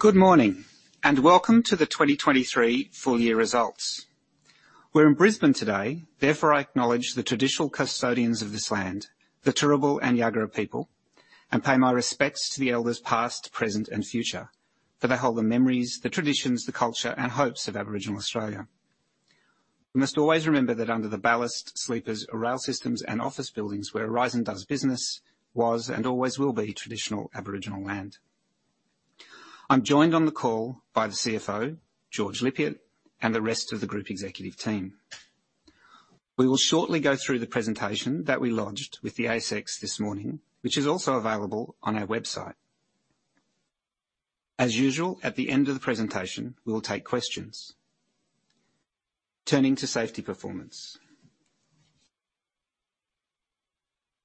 Good morning, welcome to the 2023 full year results. We're in Brisbane today, therefore, I acknowledge the traditional custodians of this land, the Turrbal and Yuggera people, and pay my respects to the elders past, present, and future, for they hold the memories, the traditions, the culture, and hopes of Aboriginal Australia. We must always remember that under the ballast sleepers, rail systems and office buildings where Aurizon does business was, and always will be, traditional Aboriginal land. I'm joined on the call by the CFO, George Lippiatt, and the rest of the group executive team. We will shortly go through the presentation that we lodged with the ASX this morning, which is also available on our website. As usual, at the end of the presentation, we will take questions. Turning to safety performance.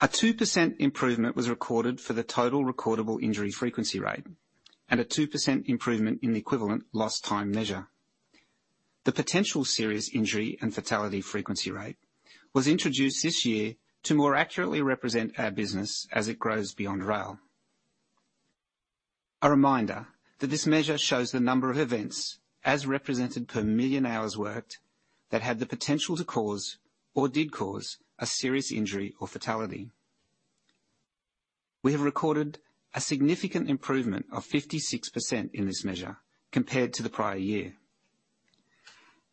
A 2% improvement was recorded for the Total Recordable Injury Frequency Rate and a 2% improvement in the equivalent lost time measure. The Potential Serious Injury and Fatality Frequency Rate was introduced this year to more accurately represent our business as it grows beyond rail. A reminder that this measure shows the number of events as represented per million hours worked, that had the potential to cause or did cause a serious injury or fatality. We have recorded a significant improvement of 56% in this measure compared to the prior year.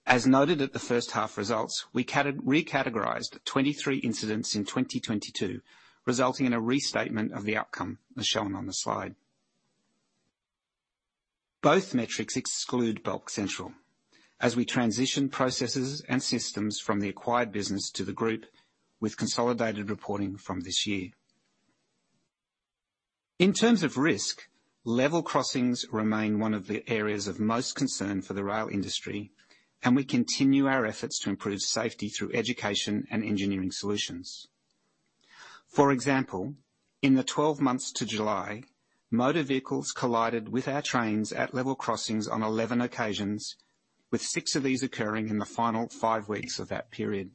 As noted at the first half results, we recategorized 23 incidents in 2022, resulting in a restatement of the outcome as shown on the slide. Both metrics exclude Bulk Central, as we transition processes and systems from the acquired business to the group, with consolidated reporting from this year. In terms of risk, level crossings remain one of the areas of most concern for the rail industry, and we continue our efforts to improve safety through education and engineering solutions. For example, in the 12 months to July, motor vehicles collided with our trains at level crossings on 11 occasions, with six of these occurring in the final five weeks of that period.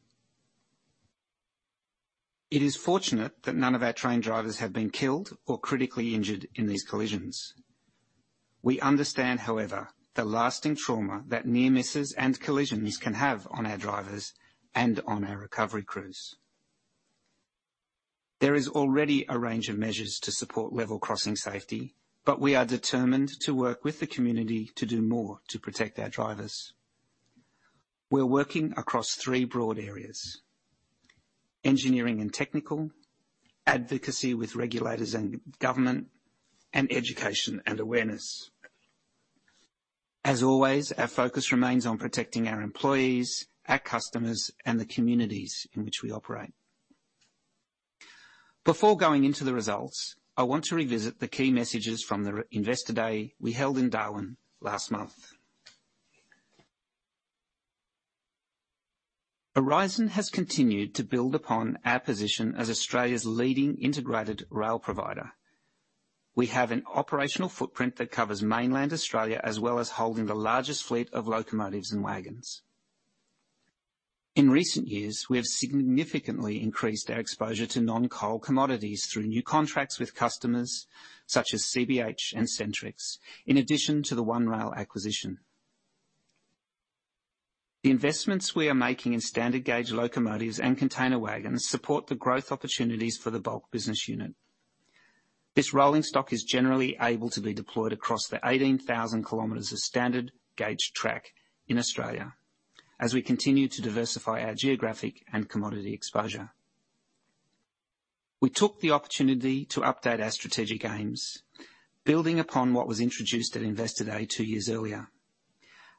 It is fortunate that none of our train drivers have been killed or critically injured in these collisions. We understand, however, the lasting trauma that near misses and collisions can have on our drivers and on our recovery crews. There is already a range of measures to support level crossing safety. We are determined to work with the community to do more to protect our drivers. We're working across three broad areas: engineering and technical, advocacy with regulators and government, and education and awareness. As always, our focus remains on protecting our employees, our customers, and the communities in which we operate. Before going into the results, I want to revisit the key messages from the Investor Day we held in Darwin last month. Aurizon has continued to build upon our position as Australia's leading integrated rail provider. We have an operational footprint that covers mainland Australia, as well as holding the largest fleet of locomotives and wagons. In recent years, we have significantly increased our exposure to non-coal commodities through new contracts with customers such as CBH and Centrex, in addition to the One Rail acquisition. The investments we are making in standard gauge locomotives and container wagons support the growth opportunities for the bulk business unit. This rolling stock is generally able to be deployed across the 18,000 kilometers of standard gauge track in Australia as we continue to diversify our geographic and commodity exposure. We took the opportunity to update our strategic aims, building upon what was introduced at Investor Day two years earlier.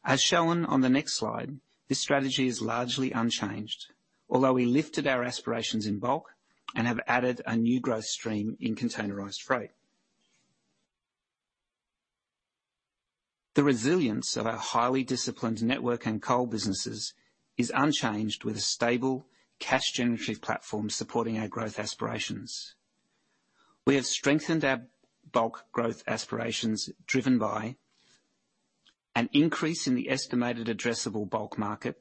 As shown on the next slide, this strategy is largely unchanged, although we lifted our aspirations in bulk and have added a new growth stream in containerized freight. The resilience of our highly disciplined network and coal businesses is unchanged, with a stable cash generative platform supporting our growth aspirations. We have strengthened our bulk growth aspirations, driven by an increase in the estimated addressable bulk market,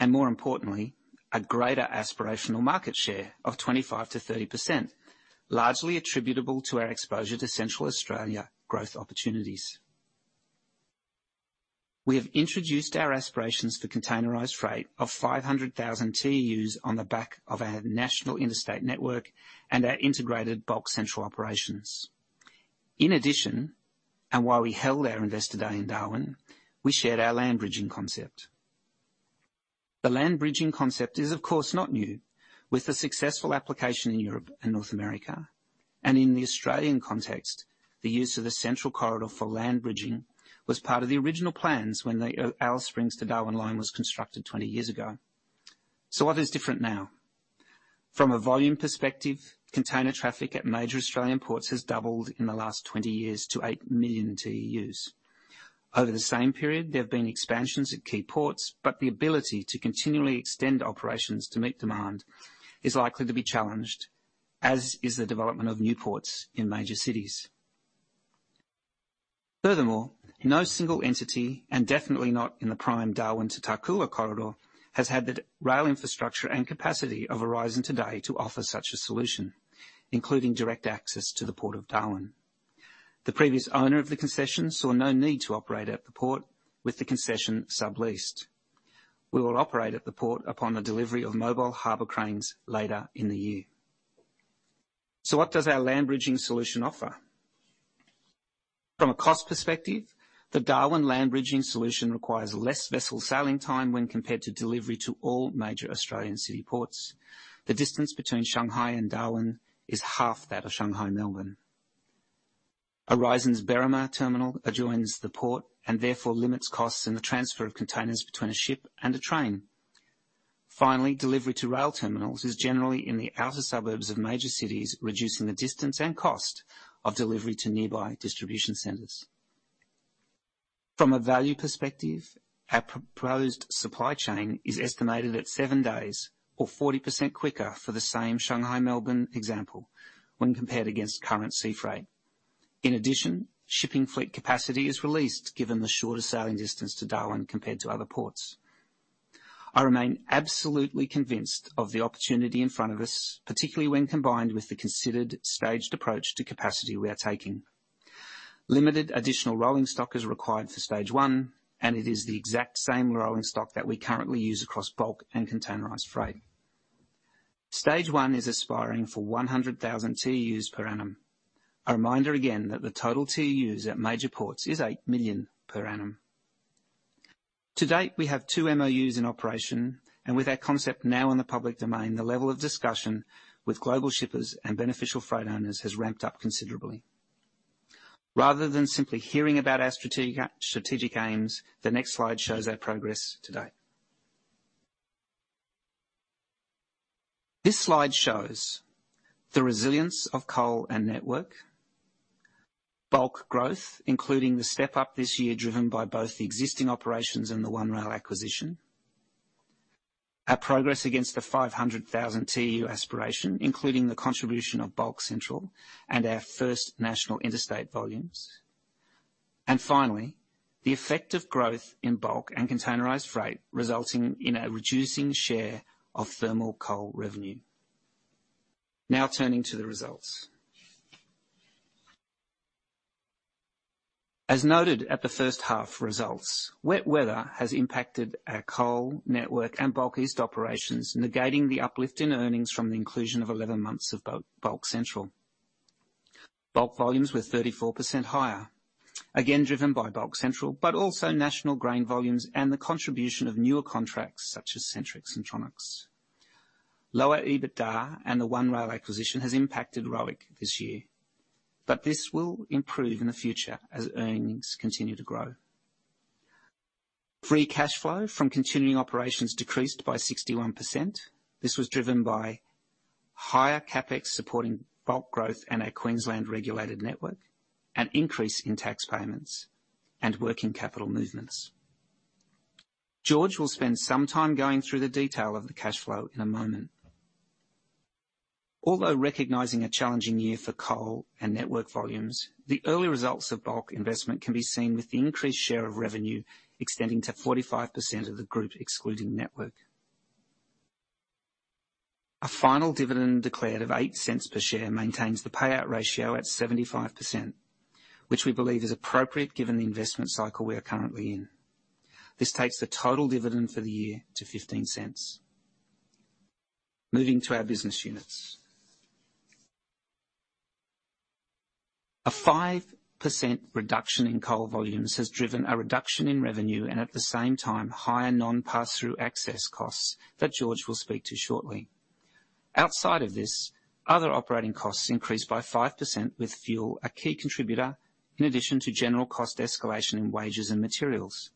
and more importantly, a greater aspirational market share of 25%-30%, largely attributable to our exposure to Central Australia growth opportunities. We have introduced our aspirations for containerized freight of 500,000 TEUs on the back of our national interstate network and our integrated Bulk Central operations. In addition, while we held our Investor Day in Darwin, we shared our land bridging concept. The land bridging concept is, of course, not new, with the successful application in Europe and North America. In the Australian context, the use of the central corridor for land bridging was part of the original plans when the Alice Springs to Darwin line was constructed 20 years ago. What is different now? From a volume perspective, container traffic at major Australian ports has doubled in the last 20 years to 8 million TEUs. Over the same period, there have been expansions at key ports, but the ability to continually extend operations to meet demand is likely to be challenged, as is the development of new ports in major cities. Furthermore. No single entity, and definitely not in the prime Darwin to Tarcoola Corridor, has had the rail infrastructure and capacity of Aurizon today to offer such a solution, including direct access to the Port of Darwin. The previous owner of the concession saw no need to operate at the port with the concession subleased. We will operate at the port upon the delivery of mobile harbor cranes later in the year. What does our land bridging solution offer? From a cost perspective, the Darwin land bridging solution requires less vessel sailing time when compared to delivery to all major Australian city ports. The distance between Shanghai and Darwin is half that of Shanghai and Melbourne. Aurizon's Berrimah Terminal adjoins the port and therefore limits costs in the transfer of containers between a ship and a train. Delivery to rail terminals is generally in the outer suburbs of major cities, reducing the distance and cost of delivery to nearby distribution centers. From a value perspective, our proposed supply chain is estimated at seven days or 40% quicker for the same Shanghai-Melbourne example when compared against current sea freight. Shipping fleet capacity is released given the shorter sailing distance to Darwin compared to other ports. I remain absolutely convinced of the opportunity in front of us, particularly when combined with the considered staged approach to capacity we are taking. Limited additional rolling stock is required for stage one. It is the exact same rolling stock that we currently use across bulk and containerized freight. Stage one is aspiring for 100,000 TEUs per annum. A reminder again that the total TEUs at major ports is 8 million per annum. To date, we have two MOUs in operation. With our concept now in the public domain, the level of discussion with global shippers and beneficial freight owners has ramped up considerably. Rather than simply hearing about our strategic aims, the next slide shows our progress to date. This slide shows the resilience of coal and network. Bulk growth, including the step-up this year, driven by both the existing operations and the One Rail acquisition. Our progress against the 500,000 TEU aspiration, including the contribution of Bulk Central and our first national interstate volumes. Finally, the effect of growth in bulk and containerized freight, resulting in a reducing share of thermal coal revenue. Now turning to the results. As noted at the first half results, wet weather has impacted our coal network and Bulk East operations, negating the uplift in earnings from the inclusion of 11 months of Bulk Central. Bulk volumes were 34% higher, again, driven by Bulk Central, but also national grain volumes and the contribution of newer contracts such as Centrex and Tronox. Lower EBITDA and the One Rail acquisition has impacted ROIC this year, but this will improve in the future as earnings continue to grow. Free cash flow from continuing operations decreased by 61%. This was driven by higher Capex supporting bulk growth in our Queensland regulated network, an increase in tax payments, and working capital movements. George will spend some time going through the detail of the cash flow in a moment. Although recognizing a challenging year for coal and Aurizon Network volumes, the early results of bulk investment can be seen with the increased share of revenue extending to 45% of the group, excluding Aurizon Network. A final dividend declared of 0.08 per share maintains the payout ratio at 75%, which we believe is appropriate given the investment cycle we are currently in. This takes the total dividend for the year to 0.15. Moving to our business units. A 5% reduction in coal volumes has driven a reduction in revenue and, at the same time, higher non-pass-through access costs that George will speak to shortly. Outside of this, other operating costs increased by 5%, with fuel a key contributor, in addition to general cost escalation in wages and materials.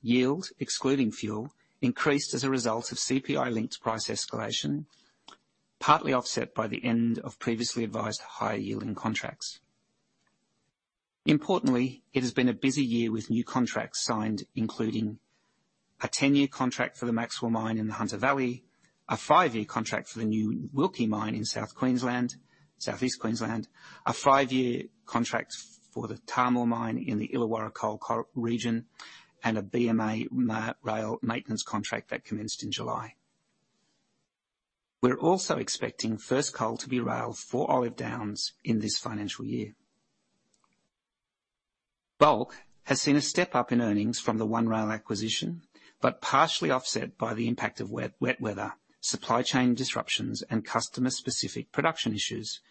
Yield, excluding fuel, increased as a result of CPI-linked price escalation, partly offset by the end of previously advised higher-yielding contracts. Importantly, it has been a busy year with new contracts signed, including a 10-year contract for the Maxwell Mine in the Hunter Valley, a 5-year contract for the New Wilkie Creek Mine in South Queensland, Southeast Queensland, a 5-year contract for the Tahmoor Mine in the Illawarra coal region, and a BMA rail maintenance contract that commenced in July. We're also expecting first coal to be railed for Olive Downs in this financial year. Bulk has seen a step-up in earnings from the One Rail acquisition, partially offset by the impact of wet, wet weather, supply chain disruptions, and customer-specific production issues,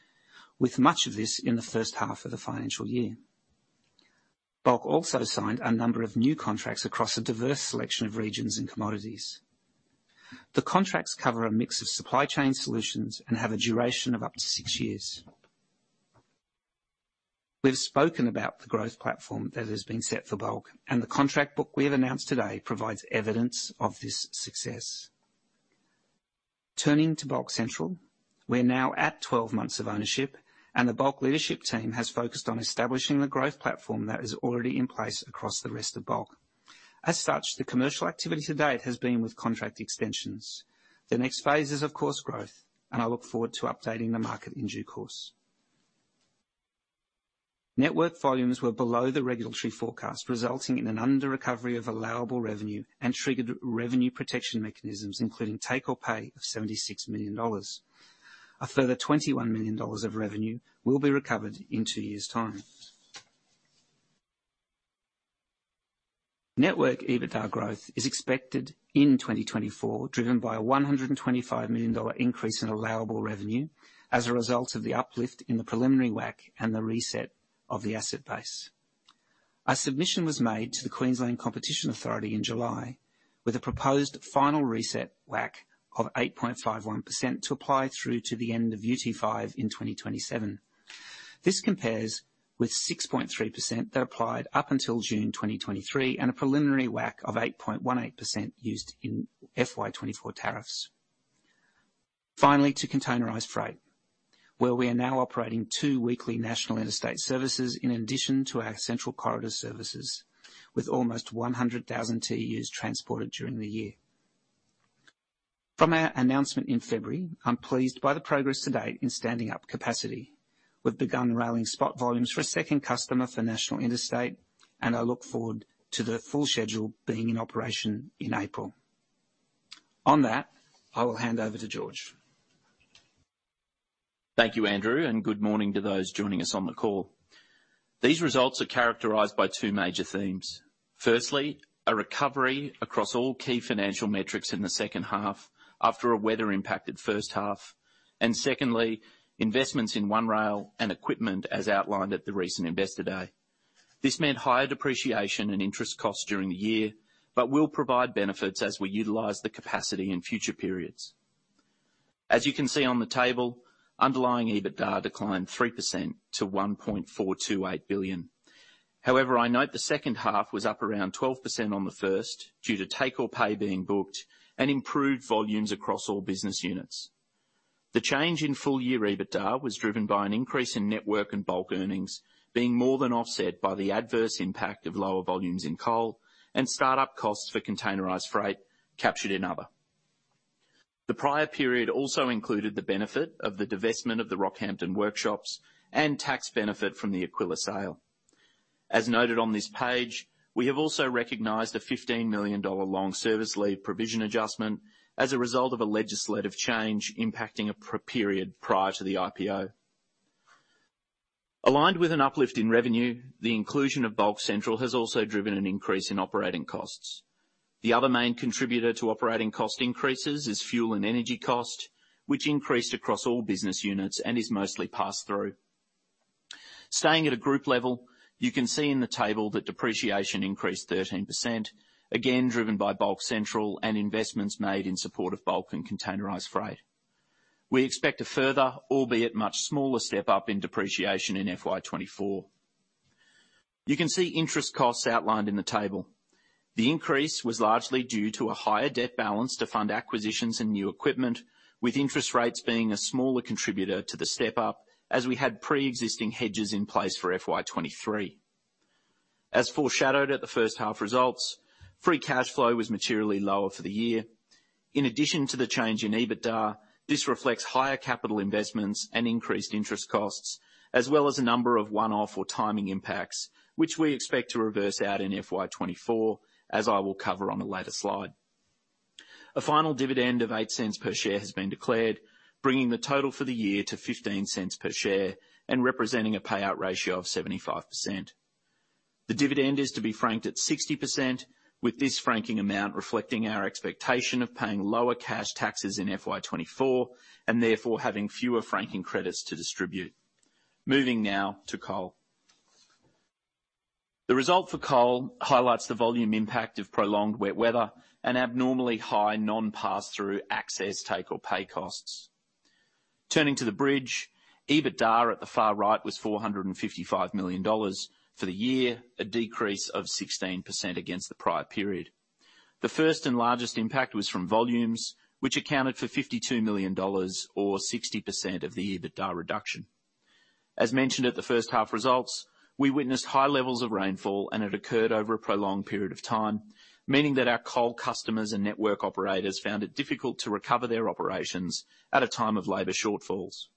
with much of this in the first half of the financial year. Bulk also signed a number of new contracts across a diverse selection of regions and commodities. The contracts cover a mix of supply chain solutions and have a duration of up to 6 years. We've spoken about the growth platform that has been set for Bulk, and the contract book we have announced today provides evidence of this success. Turning to Bulk Central, we're now at 12 months of ownership. As such, the commercial activity to date has been with contract extensions. The next phase is, of course, growth, and I look forward to updating the market in due course. Network volumes were below the regulatory forecast, resulting in an under recovery of allowable revenue and triggered revenue protection mechanisms, including take-or-pay of 76 million dollars. A further 21 million dollars of revenue will be recovered in two years' time. Network EBITDA growth is expected in 2024, driven by an 125 million dollar increase in allowable revenue as a result of the uplift in the preliminary WACC and the reset of the asset base. A submission was made to the Queensland Competition Authority in July, with a proposed final reset WACC of 8.51% - apply through to the end of UT5 in 2027. This compares with 6.3% that applied up until June 2023, and a preliminary WACC of 8.18% used in FY 2024 tariffs. Finally, to containerized freight, where we are now operating two weekly national interstate services in addition to our central corridor services, with almost 100,000 TEUs transported during the year. From our announcement in February, I'm pleased by the progress to date in standing up capacity. We've begun railing spot volumes for a second customer for national interstate, and I look forward to the full schedule being in operation in April. On that, I will hand over to George. Thank you, Andrew, and good morning to those joining us on the call. These results are characterized by two major themes. Firstly, a recovery across all key financial metrics in the second half after a weather-impacted first half, and secondly, investments in One Rail and equipment, as outlined at the recent Investor Day. This meant higher depreciation and interest costs during the year, but will provide benefits as we utilize the capacity in future periods. As you can see on the table, underlying EBITDA declined 3% - 1.428 billion. However, I note the second half was up around 12% on the first, due to take-or-pay being booked and improved volumes across all business units. The change in full year EBITDA was driven by an increase in network and bulk earnings, being more than offset by the adverse impact of lower volumes in coal and start-up costs for containerized freight captured in other. The prior period also included the benefit of the divestment of the Rockhampton workshops and tax benefit from the Aquila sale. As noted on this page, we have also recognized a 15 million dollar long service leave provision adjustment as a result of a legislative change impacting a period prior to the IPO. Aligned with an uplift in revenue, the inclusion of Bulk Central has also driven an increase in operating costs. The other main contributor to operating cost increases is fuel and energy cost, which increased across all business units and is mostly passed through. Staying at a group level, you can see in the table that depreciation increased 13%, again, driven by Bulk Central and investments made in support of bulk and containerized freight. We expect a further, albeit much smaller, step up in depreciation in FY 2024. You can see interest costs outlined in the table. The increase was largely due to a higher debt balance to fund acquisitions and new equipment, with interest rates being a smaller contributor to the step up as we had pre-existing hedges in place for FY 2023. As foreshadowed at the first half results, free cash flow was materially lower for the year. In addition to the change in EBITDA, this reflects higher capital investments and increased interest costs, as well as a number of one-off or timing impacts, which we expect to reverse out in FY 2024, as I will cover on a later slide. A final dividend of 0.08 per share has been declared, bringing the total for the year to 0.15 per share and representing a payout ratio of 75%. The dividend is to be franked at 60%, with this franking amount reflecting our expectation of paying lower cash taxes in FY 2024, and therefore having fewer franking credits to distribute. Moving now to coal. The result for coal highlights the volume impact of prolonged wet weather and abnormally high non-pass-through access take-or-pay costs. Turning to the bridge, EBITDA at the far right was 455 million dollars for the year, a decrease of 16% against the prior period. The first and largest impact was from volumes, which accounted for 52 million dollars or 60% of the EBITDA reduction. As mentioned at the first half results, we witnessed high levels of rainfall, and it occurred over a prolonged period of time, meaning that our coal customers and network operators found it difficult to recover their operations at a time of labor shortfalls.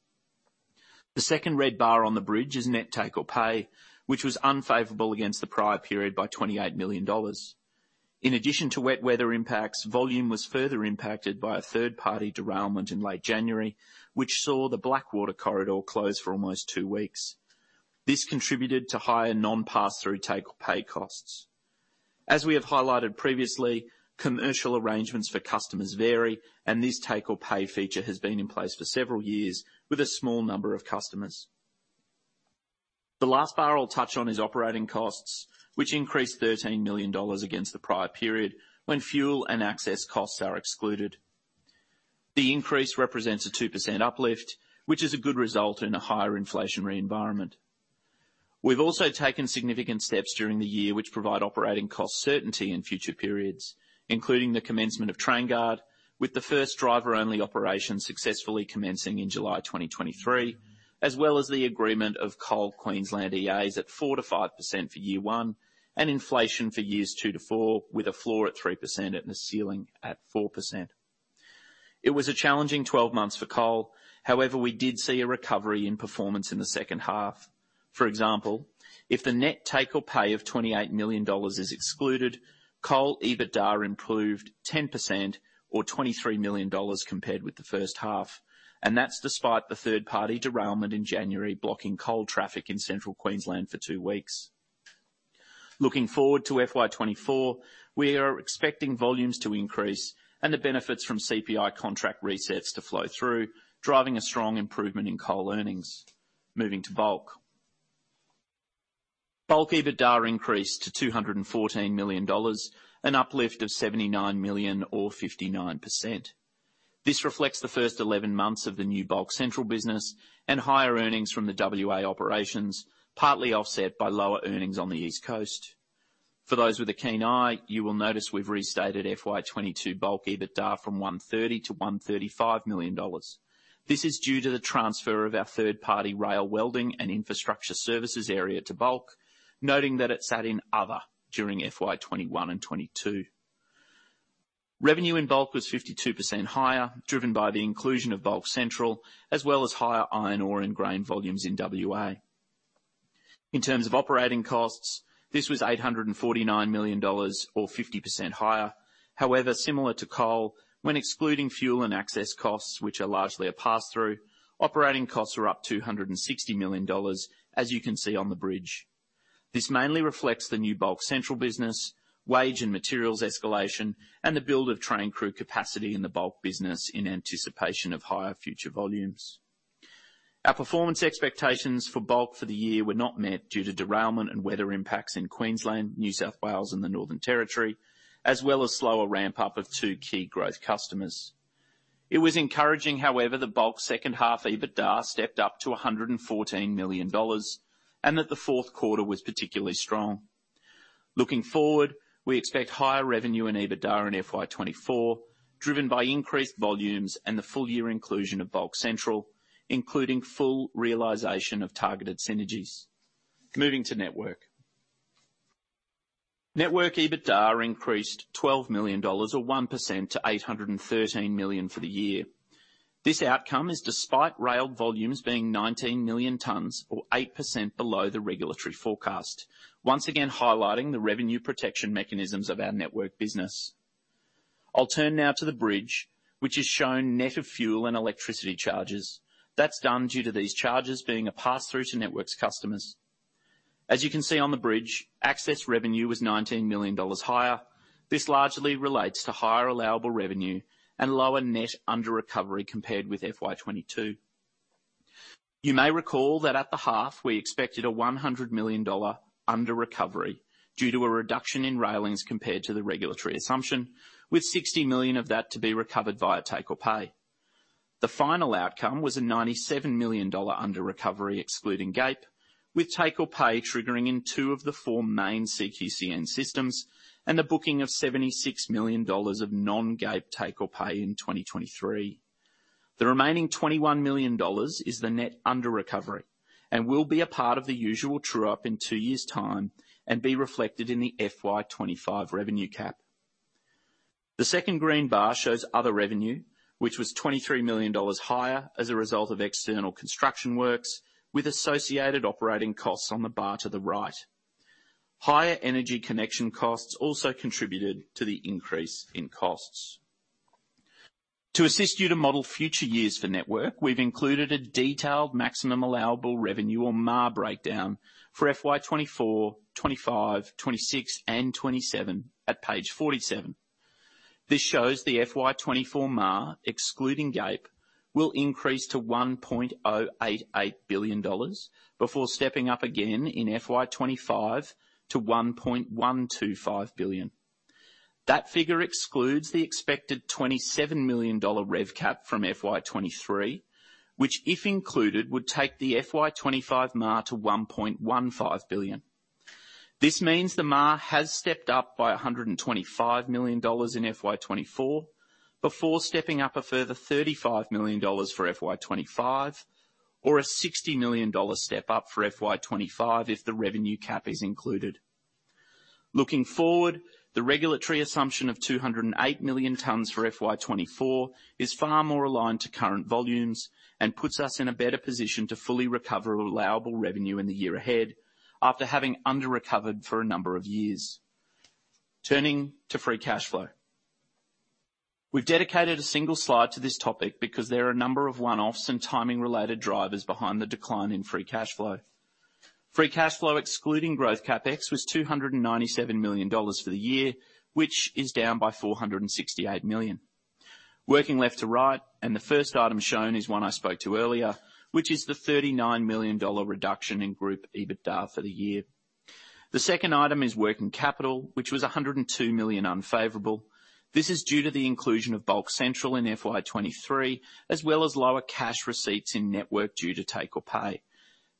The second red bar on the bridge is net take-or-pay, which was unfavorable against the prior period by 28 million dollars. In addition to wet weather impacts, volume was further impacted by a third-party derailment in late January, which saw the Blackwater corridor close for almost two weeks. This contributed to higher non-pass-through take-or-pay costs. As we have highlighted previously, commercial arrangements for customers vary, and this take-or-pay feature has been in place for several years with a small number of customers. The last bar I'll touch on is operating costs, which increased AUD 13 million against the prior period when fuel and access costs are excluded. The increase represents a 2% uplift, which is a good result in a higher inflationary environment. We've also taken significant steps during the year, which provide operating cost certainty in future periods, including the commencement of TrainGuard, with the first driver-only operation successfully commencing in July 2023, as well as the agreement of Coal Queensland EAs at 4%-5% for year one and inflation for years 2-4, with a floor at 3% and a ceiling at 4%. However, we did see a recovery in performance in the second half. For example, if the net take-or-pay of 28 million dollars is excluded, coal EBITDA improved 10% or 23 million dollars compared with the first half, and that's despite the third-party derailment in January, blocking coal traffic in Central Queensland for two weeks. Looking forward to FY 2024, we are expecting volumes to increase and the benefits from CPI contract resets to flow through, driving a strong improvement in coal earnings. Moving to Bulk. Bulk EBITDA increased to AUD 214 million, an uplift of 79 million or 59%. This reflects the first 11 months of the new Bulk Central business and higher earnings from the WA operations, partly offset by lower earnings on the East Coast. For those with a keen eye, you will notice we've restated FY 2022 Bulk EBITDA from AUD 130 million-AUD 135 million. This is due to the transfer of our third-party rail welding and infrastructure services area to Bulk, noting that it sat in Other during FY 2021 and 2022. Revenue in Bulk was 52% higher, driven by the inclusion of Bulk Central, as well as higher iron ore and grain volumes in WA. In terms of operating costs, this was 849 million dollars or 50% higher. However, similar to coal, when excluding fuel and access costs, which are largely a pass-through, operating costs are up 260 million dollars, as you can see on the bridge. This mainly reflects the new Bulk Central business, wage and materials escalation, and the build of train crew capacity in the Bulk business in anticipation of higher future volumes. Our performance expectations for Bulk for the year were not met due to derailment and weather impacts in Queensland, New South Wales, and the Northern Territory, as well as slower ramp-up of two key growth customers. It was encouraging, however, the Bulk second half EBITDA stepped up to 114 million dollars, and that the Q4 was particularly strong. Looking forward, we expect higher revenue and EBITDA in FY 2024, driven by increased volumes and the full-year inclusion of Bulk Central, including full realization of targeted synergies. Moving to Network. Network EBITDA increased 12 million dollars or 1% - 813 million for the year. This outcome is despite rail volumes being 19 million tons or 8% below the regulatory forecast. Once again, highlighting the revenue protection mechanisms of our Network business. I'll turn now to the bridge, which is shown net of fuel and electricity charges. That's done due to these charges being a pass-through to Network's customers. As you can see on the bridge, access revenue was 19 million dollars higher. This largely relates to higher allowable revenue and lower net under recovery compared with FY 2022. You may recall that at the half, we expected an 100 million dollar under recovery due to a reduction in railings compared to the regulatory assumption, with AUD 60 million of that to be recovered via take-or-pay. The final outcome was an AUD 97 million under recovery, excluding GAPE, with take-or-pay triggering in two of the four main CQCN systems, and the booking of AUD 76 million of non-GAAP take-or-pay in 2023. The remaining AUD 21 million is the net under recovery and will be a part of the usual true-up in two years' time and be reflected in the FY 2025 Revenue Cap. The second green bar shows other revenue, which was 23 million dollars higher as a result of external construction works with associated operating costs on the bar to the right. Higher energy connection costs also contributed to the increase in costs. To assist you to model future years for Network, we've included a detailed Maximum Allowable Revenue or MAR breakdown for FY 2024, 2025, 2026, and 2027 at page 47. This shows the FY 2024 MAR, excluding GAPE, will increase to AUD 1.088 billion before stepping up again in FY 2025 to AUD 1.125 billion. That figure excludes the expected AUD 27 million Revenue Cap from FY 2023, which, if included, would take the FY 2025 MAR to AUD 1.15 billion. This means the MAR has stepped up by AUD 125 million in FY 2024, before stepping up a further AUD 35 million for FY 2025, or an AUD 60 million step-up for FY 2025 if the Revenue Cap is included. Looking forward, the regulatory assumption of 208 million tons for FY 2024 is far more aligned to current volumes and puts us in a better position to fully recover allowable revenue in the year ahead, after having under-recovered for a number of years. Turning to free cash flow. We've dedicated a single slide to this topic because there are a number of one-offs and timing-related drivers behind the decline in free cash flow. Free cash flow, excluding growth Capex, was 297 million dollars for the year, which is down by 468 million. The first item shown is one I spoke to earlier, which is the $39 million reduction in group EBITDA for the year. The second item is working capital, which was $102 million unfavorable. This is due to the inclusion of Bulk Central in FY 2023, as well as lower cash receipts in Network due to take-or-pay.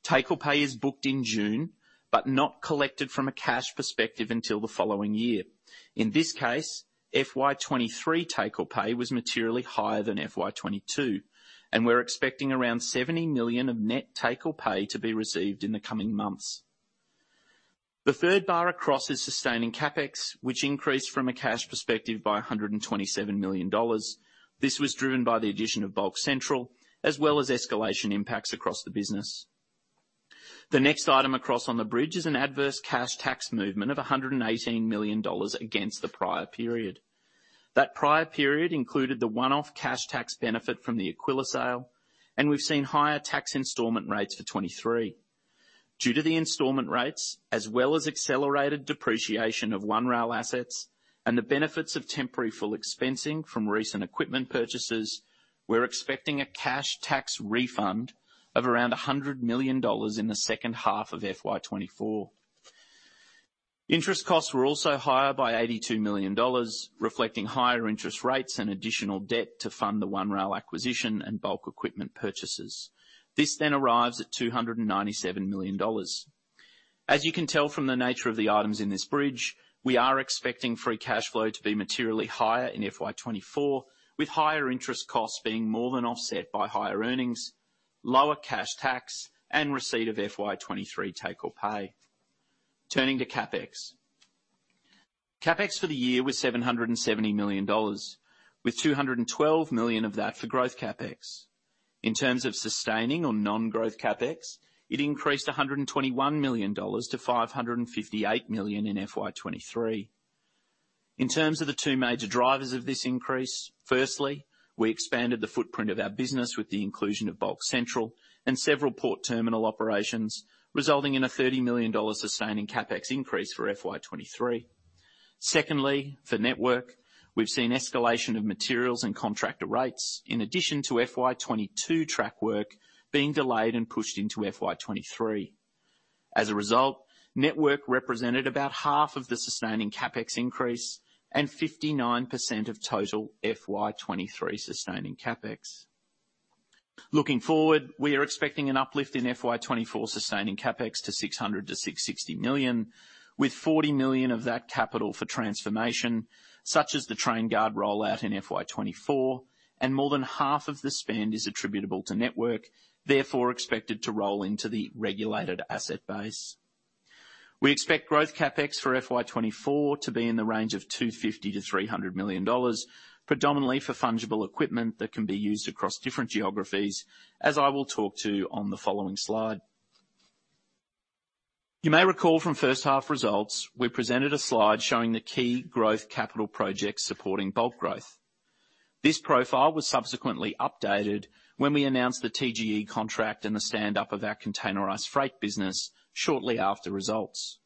Take-or-pay is booked in June, but not collected from a cash perspective until the following year. In this case, FY 2023 take-or-pay was materially higher than FY 2022, and we're expecting around $70 million of net take-or-pay to be received in the coming months. The third bar across is sustaining Capex, which increased from a cash perspective by $127 million. This was driven by the addition of Bulk Central, as well as escalation impacts across the business. The next item across on the bridge is an adverse cash tax movement of $118 million against the prior period. That prior period included the one-off cash tax benefit from the Aquila sale, and we've seen higher tax installment rates for 2023. Due to the installment rates, as well as accelerated depreciation of One Rail assets and the benefits of temporary full expensing from recent equipment purchases, we're expecting a cash tax refund of around $100 million in the second half of FY24. Interest costs were also higher by $82 million, reflecting higher interest rates and additional debt to fund the One Rail acquisition and bulk equipment purchases. This arrives at $297 million. As you can tell from the nature of the items in this bridge, we are expecting free cash flow to be materially higher in FY24, with higher interest costs being more than offset by higher earnings, lower cash tax, and receipt of FY23 take-or-pay. Turning to Capex. Capex for the year was 770 million dollars, with 212 million of that for growth Capex. In terms of sustaining on non-growth Capex, it increased AUD 121 million to AUD 558 million in FY23. In terms of the two major drivers of this increase, firstly, we expanded the footprint of our business with the inclusion of Bulk Central and several port terminal operations, resulting in a AUD 30 million sustaining Capex increase for FY23. Secondly, for network, we've seen escalation of materials and contractor rates in addition to FY22 track work being delayed and pushed into FY23. As a result, Aurizon Network represented about half of the sustaining Capex increase and 59% of total FY23 sustaining Capex. Looking forward, we are expecting an uplift in FY24 sustaining Capex to 600 million-660 million, with 40 million of that capital for transformation, such as the TrainGuard rollout in FY24, and more than half of the spend is attributable to Aurizon Network, therefore expected to roll into the regulated asset base. We expect growth Capex for FY24 to be in the range of 250 million-300 million dollars, predominantly for fungible equipment that can be used across different geographies, as I will talk to on the following slide. You may recall from first half results, we presented a slide showing the key growth capital projects supporting bulk growth. This profile was subsequently updated when we announced the TGE contract and the stand-up of our containerized freight business shortly after results.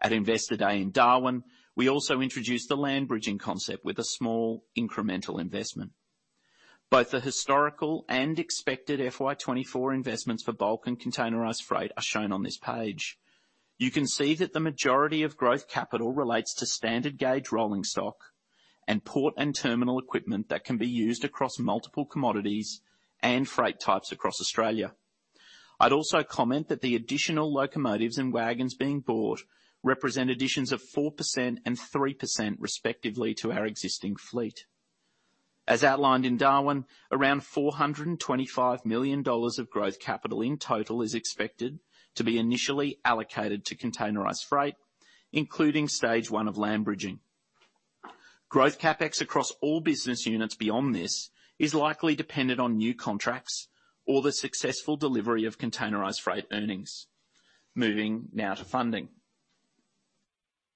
At Investor Day in Darwin, we also introduced the land bridging concept with a small incremental investment. Both the historical and expected FY24 investments for bulk and containerized freight are shown on this page. You can see that the majority of growth capital relates to standard gauge rolling stock and port and terminal equipment that can be used across multiple commodities and freight types across Australia. I'd also comment that the additional locomotives and wagons being bought represent additions of 4% and 3%, respectively, to our existing fleet. As outlined in Darwin, around 425 million dollars of growth capital in total is expected to be initially allocated to containerized freight, including stage 1 of land bridging. Growth Capex across all business units beyond this is likely dependent on new contracts or the successful delivery of containerized freight earnings. Moving now to funding.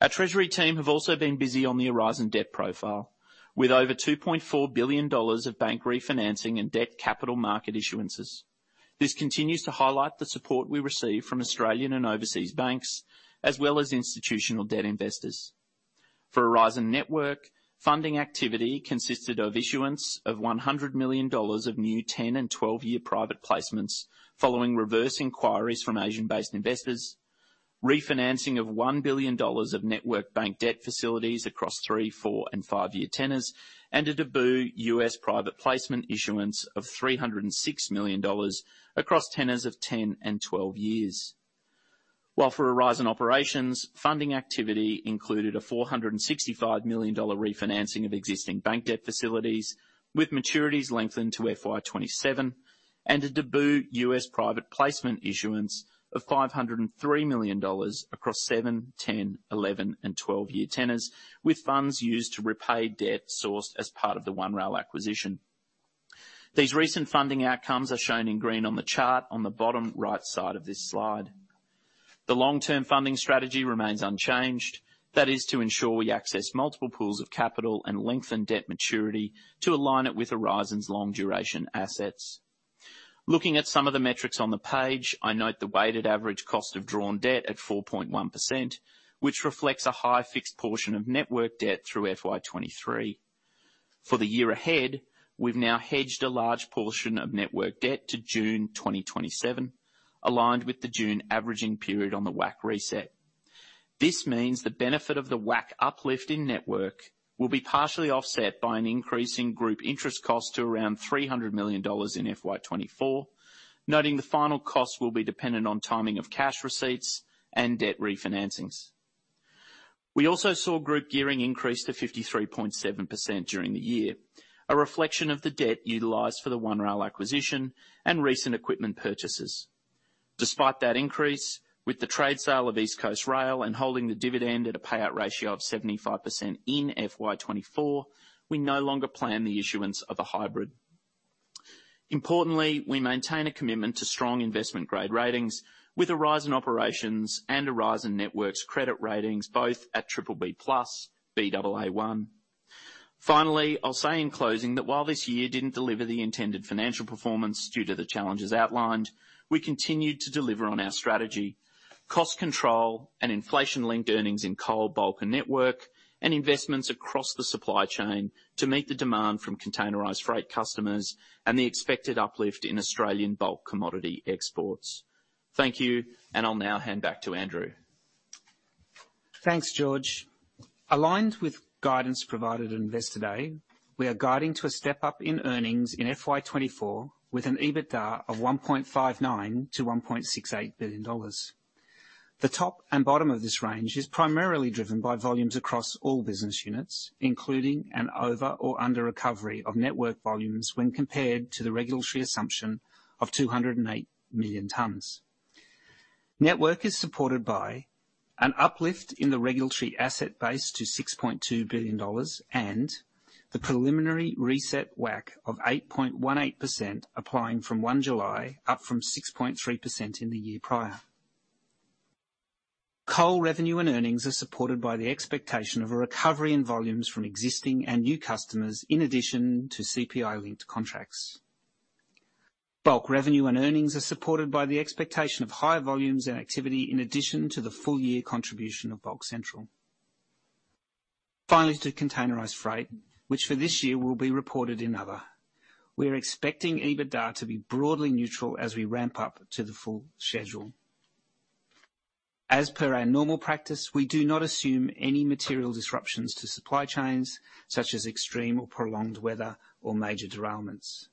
Our treasury team have also been busy on the Aurizon debt profile, with over $2.4 billion of bank refinancing and debt capital market issuances. This continues to highlight the support we receive from Australian and overseas banks, as well as institutional debt investors. For Aurizon Network, funding activity consisted of issuance of $100 million of new 10 and 12-year private placements, following reverse inquiries from Asian-based investors, refinancing of $1 billion of network bank debt facilities across 3, 4, and 5-year tenors, and a debut U.S. private placement issuance of $306 million across tenors of 10 and 12 years. While for Aurizon Operations, funding activity included an 465 million dollar refinancing of existing bank debt facilities, with maturities lengthened to FY27, and a debut U.S. private placement issuance of $503 million across 7, 10, 11, and 12-year tenors, with funds used to repay debt sourced as part of the One Rail acquisition. These recent funding outcomes are shown in green on the chart on the bottom right side of this slide. The long-term funding strategy remains unchanged. That is to ensure we access multiple pools of capital and lengthen debt maturity to align it with Aurizon's long duration assets. Looking at some of the metrics on the page, I note the weighted average cost of drawn debt at 4.1%, which reflects a high fixed portion of network debt through FY23. For the year ahead, we've now hedged a large portion of network debt to June 2027, aligned with the June averaging period on the WACC reset. This means the benefit of the WACC uplift in network will be partially offset by an increase in group interest cost to around AUD 300 million in FY24, noting the final cost will be dependent on timing of cash receipts and debt refinancings. We also saw group gearing increase to 53.7% during the year, a reflection of the debt utilized for the One Rail acquisition and recent equipment purchases. Despite that increase, with the trade sale of East Coast Rail and holding the dividend at a payout ratio of 75% in FY24, we no longer plan the issuance of a hybrid. Importantly, we maintain a commitment to strong investment grade ratings with Aurizon Operations and Aurizon Network credit ratings, both at BBB+, Baa1. Finally, I'll say in closing that while this year didn't deliver the intended financial performance due to the challenges outlined, we continued to deliver on our strategy, cost control and inflation-linked earnings in coal, bulk and network, and investments across the supply chain to meet the demand from containerized freight customers and the expected uplift in Australian bulk commodity exports. Thank you, and I'll now hand back to Andrew. Thanks, George. Aligned with guidance provided at Investor Day, we are guiding to a step-up in earnings in FY 2024, with an EBITDA of AUD 1.59 billion-AUD 1.68 billion. The top and bottom of this range is primarily driven by volumes across all business units, including an over or under recovery of Network volumes when compared to the regulatory assumption of 208 million tons. Network is supported by an uplift in the regulatory asset base to 6.2 billion dollars, and the preliminary reset WACC of 8.18% applying from July 1, up from 6.3% in the year prior. Coal revenue and earnings are supported by the expectation of a recovery in volumes from existing and new customers, in addition to CPI-linked contracts. Bulk revenue and earnings are supported by the expectation of higher volumes and activity in addition to the full year contribution of Bulk Central. Finally, to containerized freight, which for this year will be reported in other. We're expecting EBITDA to be broadly neutral as we ramp up to the full schedule. As per our normal practice, we do not assume any material disruptions to supply chains, such as extreme or prolonged weather or major derailments.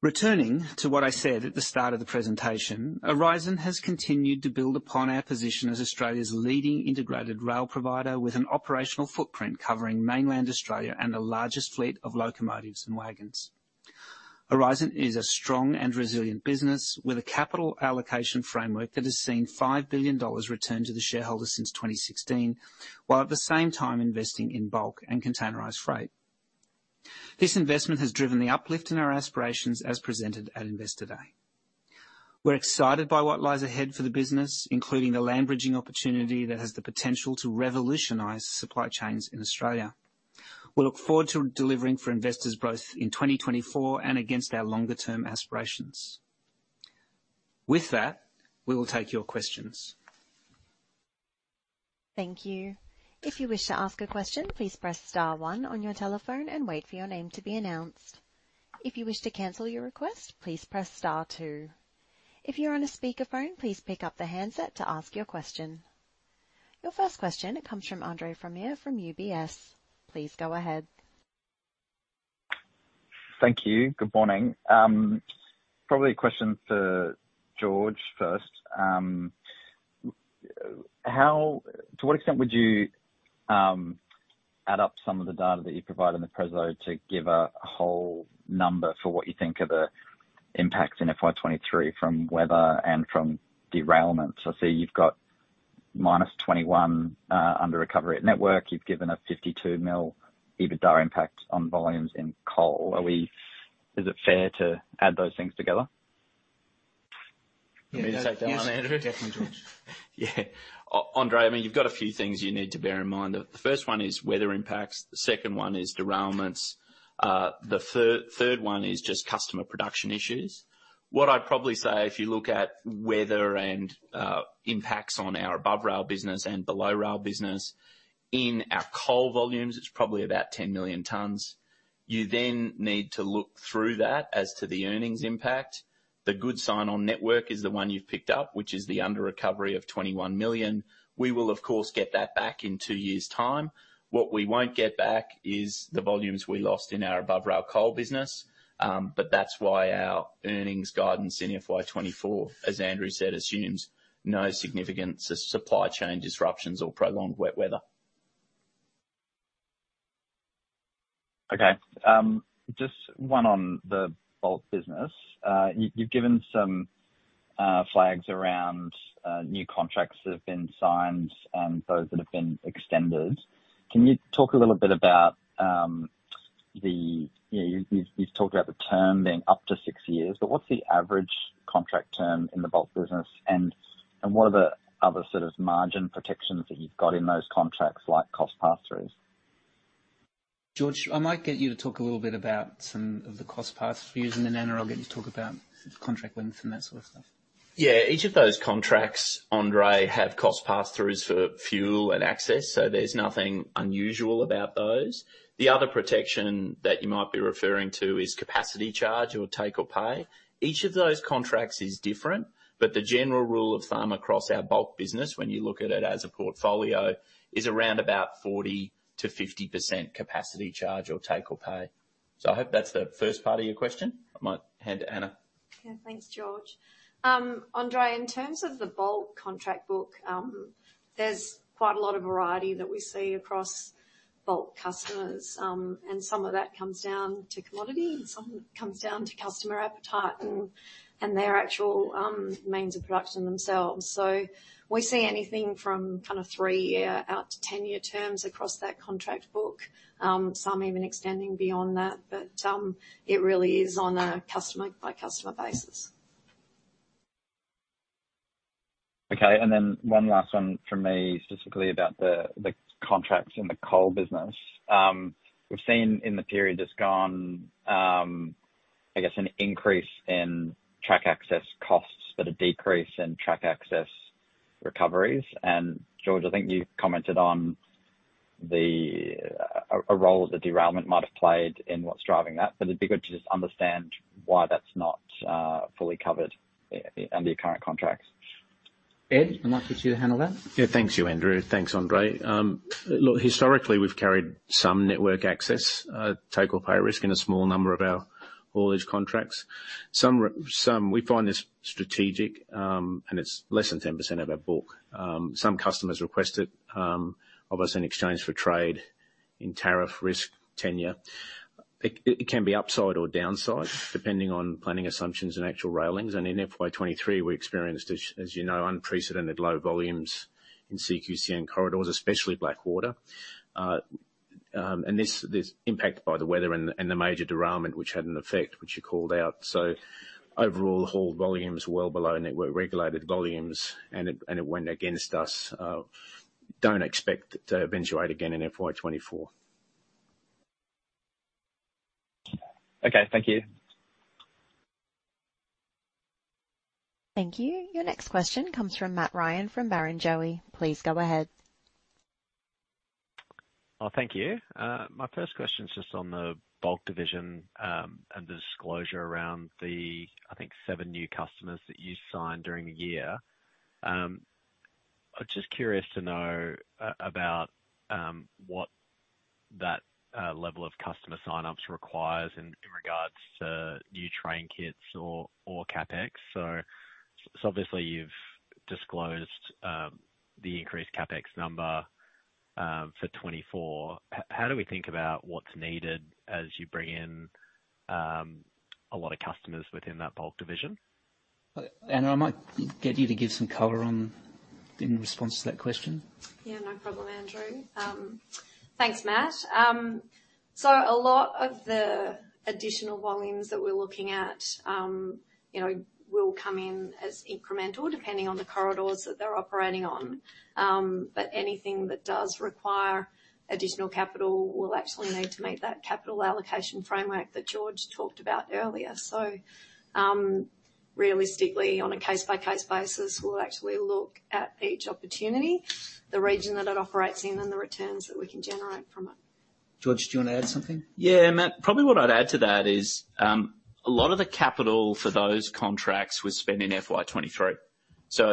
Returning to what I said at the start of the presentation, Aurizon has continued to build upon our position as Australia's leading integrated rail provider, with an operational footprint covering mainland Australia and the largest fleet of locomotives and wagons. Aurizon is a strong and resilient business with a capital allocation framework that has seen 5 billion dollars returned to the shareholders since 2016, while at the same time investing in bulk and containerized freight. This investment has driven the uplift in our aspirations as presented at Investor Day. We're excited by what lies ahead for the business, including the land bridging opportunity that has the potential to revolutionize supply chains in Australia. We look forward to delivering for investors both in 2024 and against our longer term aspirations. With that, we will take your questions. Thank you. If you wish to ask a question, please press star one on your telephone and wait for your name to be announced. If you wish to cancel your request, please press star two. If you're on a speakerphone, please pick up the handset to ask your question. Your first question comes from Andre Fromyhr from UBS. Please go ahead. Thank you. Good morning. Probably a question for George first. How to what extent would you add up some of the data that you provide in the preso to give a whole number for what you think are the impacts in FY 2023 from weather and from derailment? I see you've got -21 million under recovery at network. You've given an 52 million EBITDA impact on volumes in coal. Is it fair to add those things together? You want me to take that one, Andrew? Definitely, George. Yeah. Andre, I mean, you've got a few things you need to bear in mind. The first one is weather impacts, the second one is derailments, the third one is just customer production issues. What I'd probably say, if you look at weather and impacts on our above rail business and below rail business, in our coal volumes, it's probably about 10 million tons. You need to look through that as to the earnings impact. The good sign on Aurizon Network is the one you've picked up, which is the under recovery of 21 million. We will, of course, get that back in two years' time. What we won't get back is the volumes we lost in our above rail coal business. That's why our earnings guidance in FY 2024, as Andrew said, assumes no significant supply chain disruptions or prolonged wet weather. Okay. Just one on the bulk business. You've, you've given some flags around new contracts that have been signed and those that have been extended. Can you talk a little bit about the... Yeah, you've, you've talked about the term being up to six years, but what's the average contract term in the bulk business? What are the other sort of margin protections that you've got in those contracts, like cost passthroughs? George, I might get you to talk a little bit about some of the cost passthroughs, and then, Andrew, I'll get you to talk about contract length and that sort of stuff. Yeah, each of those contracts, Andre, have cost passthroughs for fuel and access, so there's nothing unusual about those. The other protection that you might be referring to is capacity charge or take-or-pay. Each of those contracts is different, but the general rule of thumb across our bulk business, when you look at it as a portfolio, is around about 40%-50% capacity charge or take-or-pay. I hope that's the first part of your question. I might hand to Anna. Yeah, thanks, George. Andre, in terms of the bulk contract book, there's quite a lot of variety that we see across bulk customers. Some of that comes down to commodity and some of it comes down to customer appetite and, and their actual means of production themselves. We see anything from kind of 3-year out to 10-year terms across that contract book, some even extending beyond that, but it really is on a customer-by-customer basis. Okay, then 1 last one from me, specifically about the, the contracts in the coal business. We've seen in the period just gone, I guess, an increase in track access costs, but a decrease in track access recoveries. George, I think you commented on the, a, a role the derailment might have played in what's driving that, but it'd be good to just understand why that's not fully covered in the current contracts. Ed, I'd like you to handle that. Yeah, thanks you, Andrew. Thanks, Andre. look, historically, we've carried some network access, take-or-pay risk in a small number of our haulage contracts. Some we find this strategic, and it's less than 10% of our book. some customers request it, of us in exchange for trade in tariff risk tenure. It, it can be upside or downside, depending on planning assumptions and actual railings. In FY 2023, we experienced as, as you know, unprecedented low volumes in CQCN corridors, especially Blackwater, and this, this impact by the weather and the, and the major derailment, which had an effect, which you called out. Overall, the whole volume is well below network-regulated volumes, and it, and it went against us. don't expect it to eventuate again in FY 2024. Okay, thank you. Thank you. Your next question comes from Matt Ryan from Barrenjoey. Please go ahead. Oh, thank you. My first question is just on the bulk division, and the disclosure around the, I think, 7 new customers that you signed during the year. I'm just curious to know about what that level of customer sign-ups requires in regards to new train kits or Capex? Obviously you've disclosed the increased Capex number for 2024. How do we think about what's needed as you bring in a lot of customers within that bulk division? Anna, I might get you to give some color on... in response to that question? Yeah, no problem, Andrew. Thanks, Matt. A lot of the additional volumes that we're looking at, you know, will come in as incremental depending on the corridors that they're operating on. But anything that does require additional capital will actually need to meet that capital allocation framework that George talked about earlier. Realistically, on a case-by-case basis, we'll actually look at each opportunity, the region that it operates in, and the returns that we can generate from it. George, do you want to add something? Yeah, Matt, probably what I'd add to that is, a lot of the capital for those contracts was spent in FY 2023.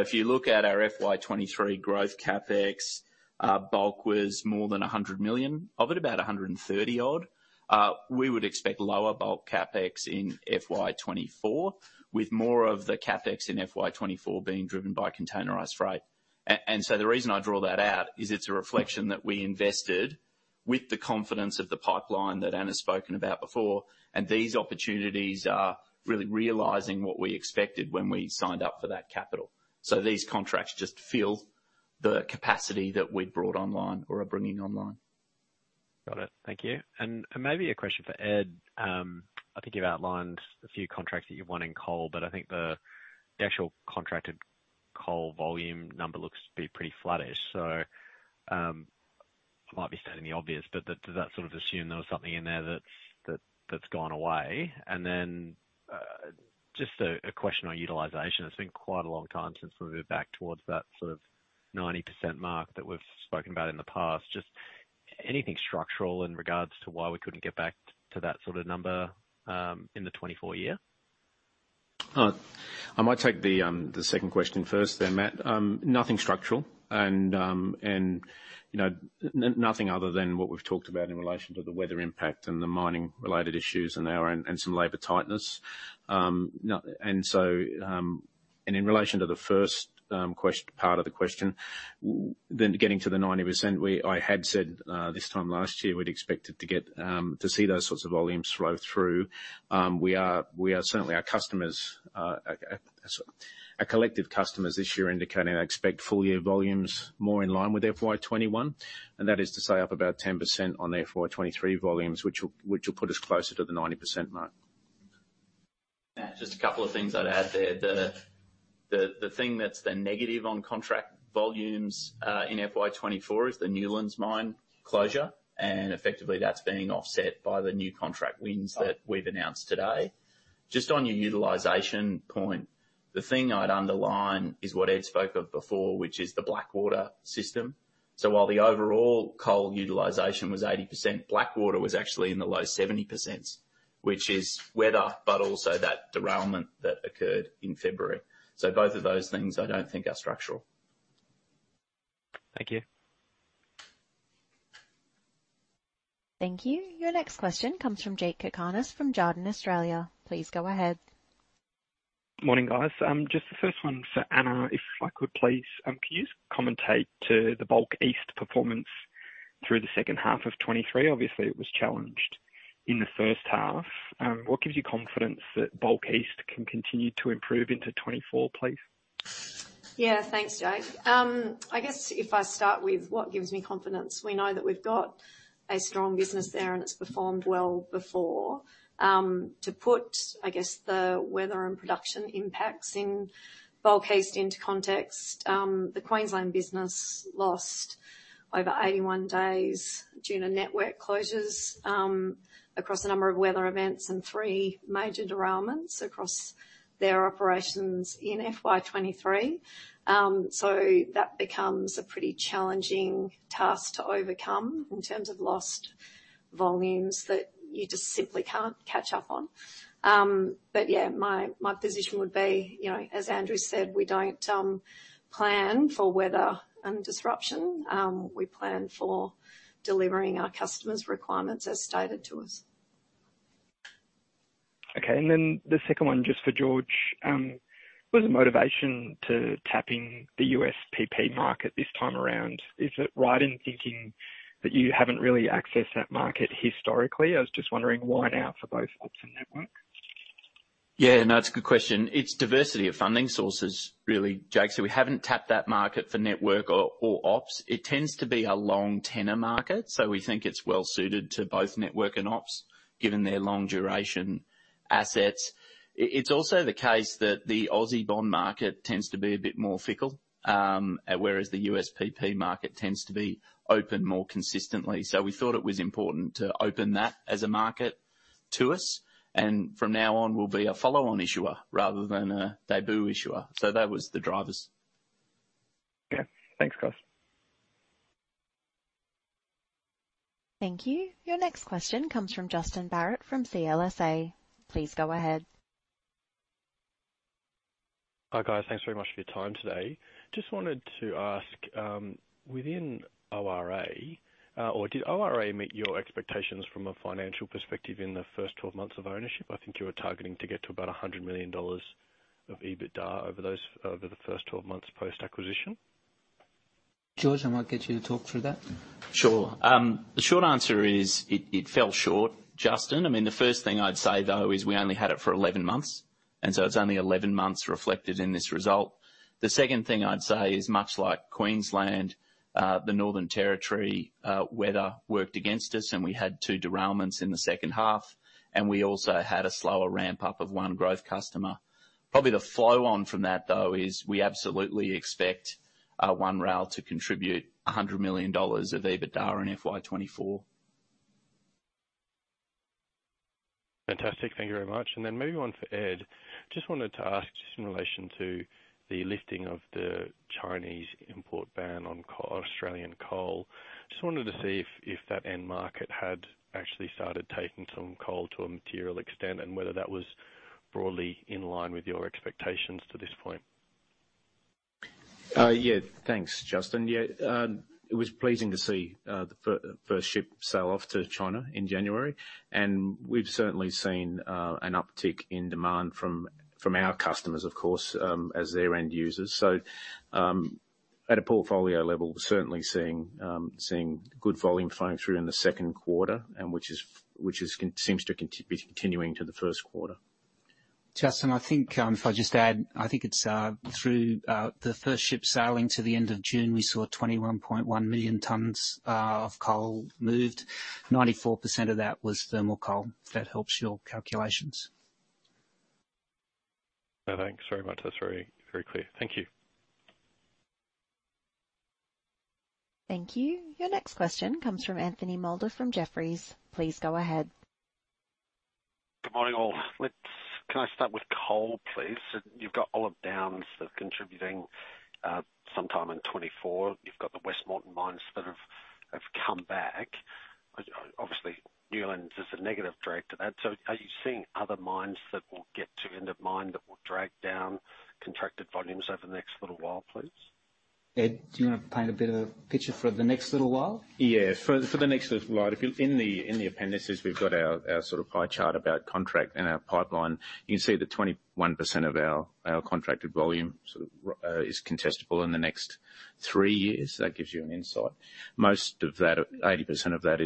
If you look at our FY 2023 growth Capex, bulk was more than 100 million, of it about 130 odd. The reason I draw that out is it's a reflection that we invested with the confidence of the pipeline that Anna's spoken about before, and these opportunities are really realizing what we expected when we signed up for that capital. These contracts just fill the capacity that we've brought online or are bringing online. Got it. Thank you. Maybe a question for Ed. I think you've outlined a few contracts that you've won in coal, but I think the actual contracted coal volume number looks to be pretty flattish. I might be stating the obvious, but does, does that sort of assume there was something in there that's, that's, that's gone away? Then, just a, a question on utilization. It's been quite a long time since we moved back towards that sort of 90% mark that we've spoken about in the past. Just anything structural in regards to why we couldn't get back to that sort of number, in the 2024 year? I might take the second question first then, Matt. Nothing structural and, you know, nothing other than what we've talked about in relation to the weather impact and the mining-related issues and our... And some labor tightness. In relation to the first part of the question, then getting to the 90%, we, I had said, this time last year, we'd expected to get to see those sorts of volumes flow through. We are, we are certainly our customers, our collective customers this year indicating I expect full year volumes more in line with FY21, and that is to say, up about 10% on FY23 volumes, which will, which will put us closer to the 90% mark. Matt, just a couple of things I'd add there. The thing that's the negative on contract volumes in FY 2024 is the Newlands mine closure, and effectively, that's being offset by the new contract wins that we've announced today. On your utilization point, the thing I'd underline is what Ed spoke of before, which is the Blackwater system. While the overall coal utilization was 80%, Blackwater was actually in the low 70%, which is weather, but also that derailment that occurred in February. Both of those things I don't think are structural. Thank you. Thank you. Your next question comes from Jake Kokonis from Jarden Australia. Please go ahead. Morning, guys. Just the first one for Anna, if I could please? Can you just commentate to the Bulk East performance through the second half of 2023? Obviously, it was challenged in the first half. What gives you confidence that Bulk East can continue to improve into 2024, please? Yeah, thanks, Jake. I guess if I start with what gives me confidence, we know that we've got a strong business there, and it's performed well before. To put, I guess, the weather and production impacts in Bulk East into context, the Queensland business lost over 81 days due to network closures across a number of weather events and 3 major derailments across their operations in FY 2023. That becomes a pretty challenging task to overcome in terms of lost volumes that you just simply can't catch up on. Yeah, my, my position would be, you know, as Andrew said, we don't plan for weather and disruption, we plan for delivering our customers' requirements as stated to us. Okay, then the second one, just for George. What was the motivation to tapping the USPP market this time around? Is it right in thinking that you haven't really accessed that market historically? Just wondering why now for both ops and network? Yeah, no, it's a good question. It's diversity of funding sources, really, Jake. We haven't tapped that market for network or, or ops. It tends to be a long tenor market, so we think it's well suited to both network and ops, given their long duration assets. It, it's also the case that the Aussie bond market tends to be a bit more fickle, whereas the USPP market tends to be open more consistently. We thought it was important to open that as a market to us, and from now on, we'll be a follow-on issuer rather than a debut issuer. That was the drivers. Yeah. Thanks, guys. Thank you. Your next question comes from Justin Barratt, from CLSA. Please go ahead. Hi, guys. Thanks very much for your time today. Just wanted to ask, within ORA, or did ORA meet your expectations from a financial perspective in the first 12 months of ownership? I think you were targeting to get to about 100 million dollars of EBITDA over those, over the first 12 months post-acquisition. George, I might get you to talk through that. Sure. The short answer is, it, it fell short, Justin. I mean, the first thing I'd say, though, is we only had it for 11 months, and so it's only 11 months reflected in this result. The second thing I'd say is, much like Queensland, the Northern Territory, weather worked against us, and we had 2 derailments in the second half, and we also had a slower ramp-up of 1 growth customer. Probably the flow on from that, though, is we absolutely expect One Rail to contribute 100 million dollars of EBITDA in FY24. Fantastic. Thank you very much. Then moving on to Ed. Just wanted to ask, just in relation to the lifting of the Chinese import ban on Australian coal, just wanted to see if that end market had actually started taking some coal to a material extent, and whether that was broadly in line with your expectations to this point. Yeah. Thanks, Justin. Yeah, it was pleasing to see the first ship sail off to China in January. We've certainly seen an uptick in demand from, from our customers, of course, as their end users. At a portfolio level, we're certainly seeing good volume flowing through in the Q2. Which is, which is seems to be continuing to the Q1. Justin, I think, if I just add, I think it's, through, the first ship sailing to the end of June, we saw 21.1 million tons of coal moved. 94% of that was thermal coal, if that helps your calculations. No, thanks very much. That's very, very clear. Thank you. Thank you. Your next question comes from Anthony Moulder, from Jefferies. Please go ahead. Good morning, all. Can I start with coal, please? You've got Olive Downs contributing sometime in 2024. You've got the Wards Well mine that have come back. Obviously, Newlands is a negative drag to that. Are you seeing other mines that will get to end of mine that will drag down contracted volumes over the next little while, please? Ed, do you want to paint a bit of a picture for the next little while? For the next little while, in the appendices, we've got our sort of pie chart about contract and our pipeline. You can see that 21% of our contracted volume is contestable in the next three years. That gives you an insight. Most of that, 80% of that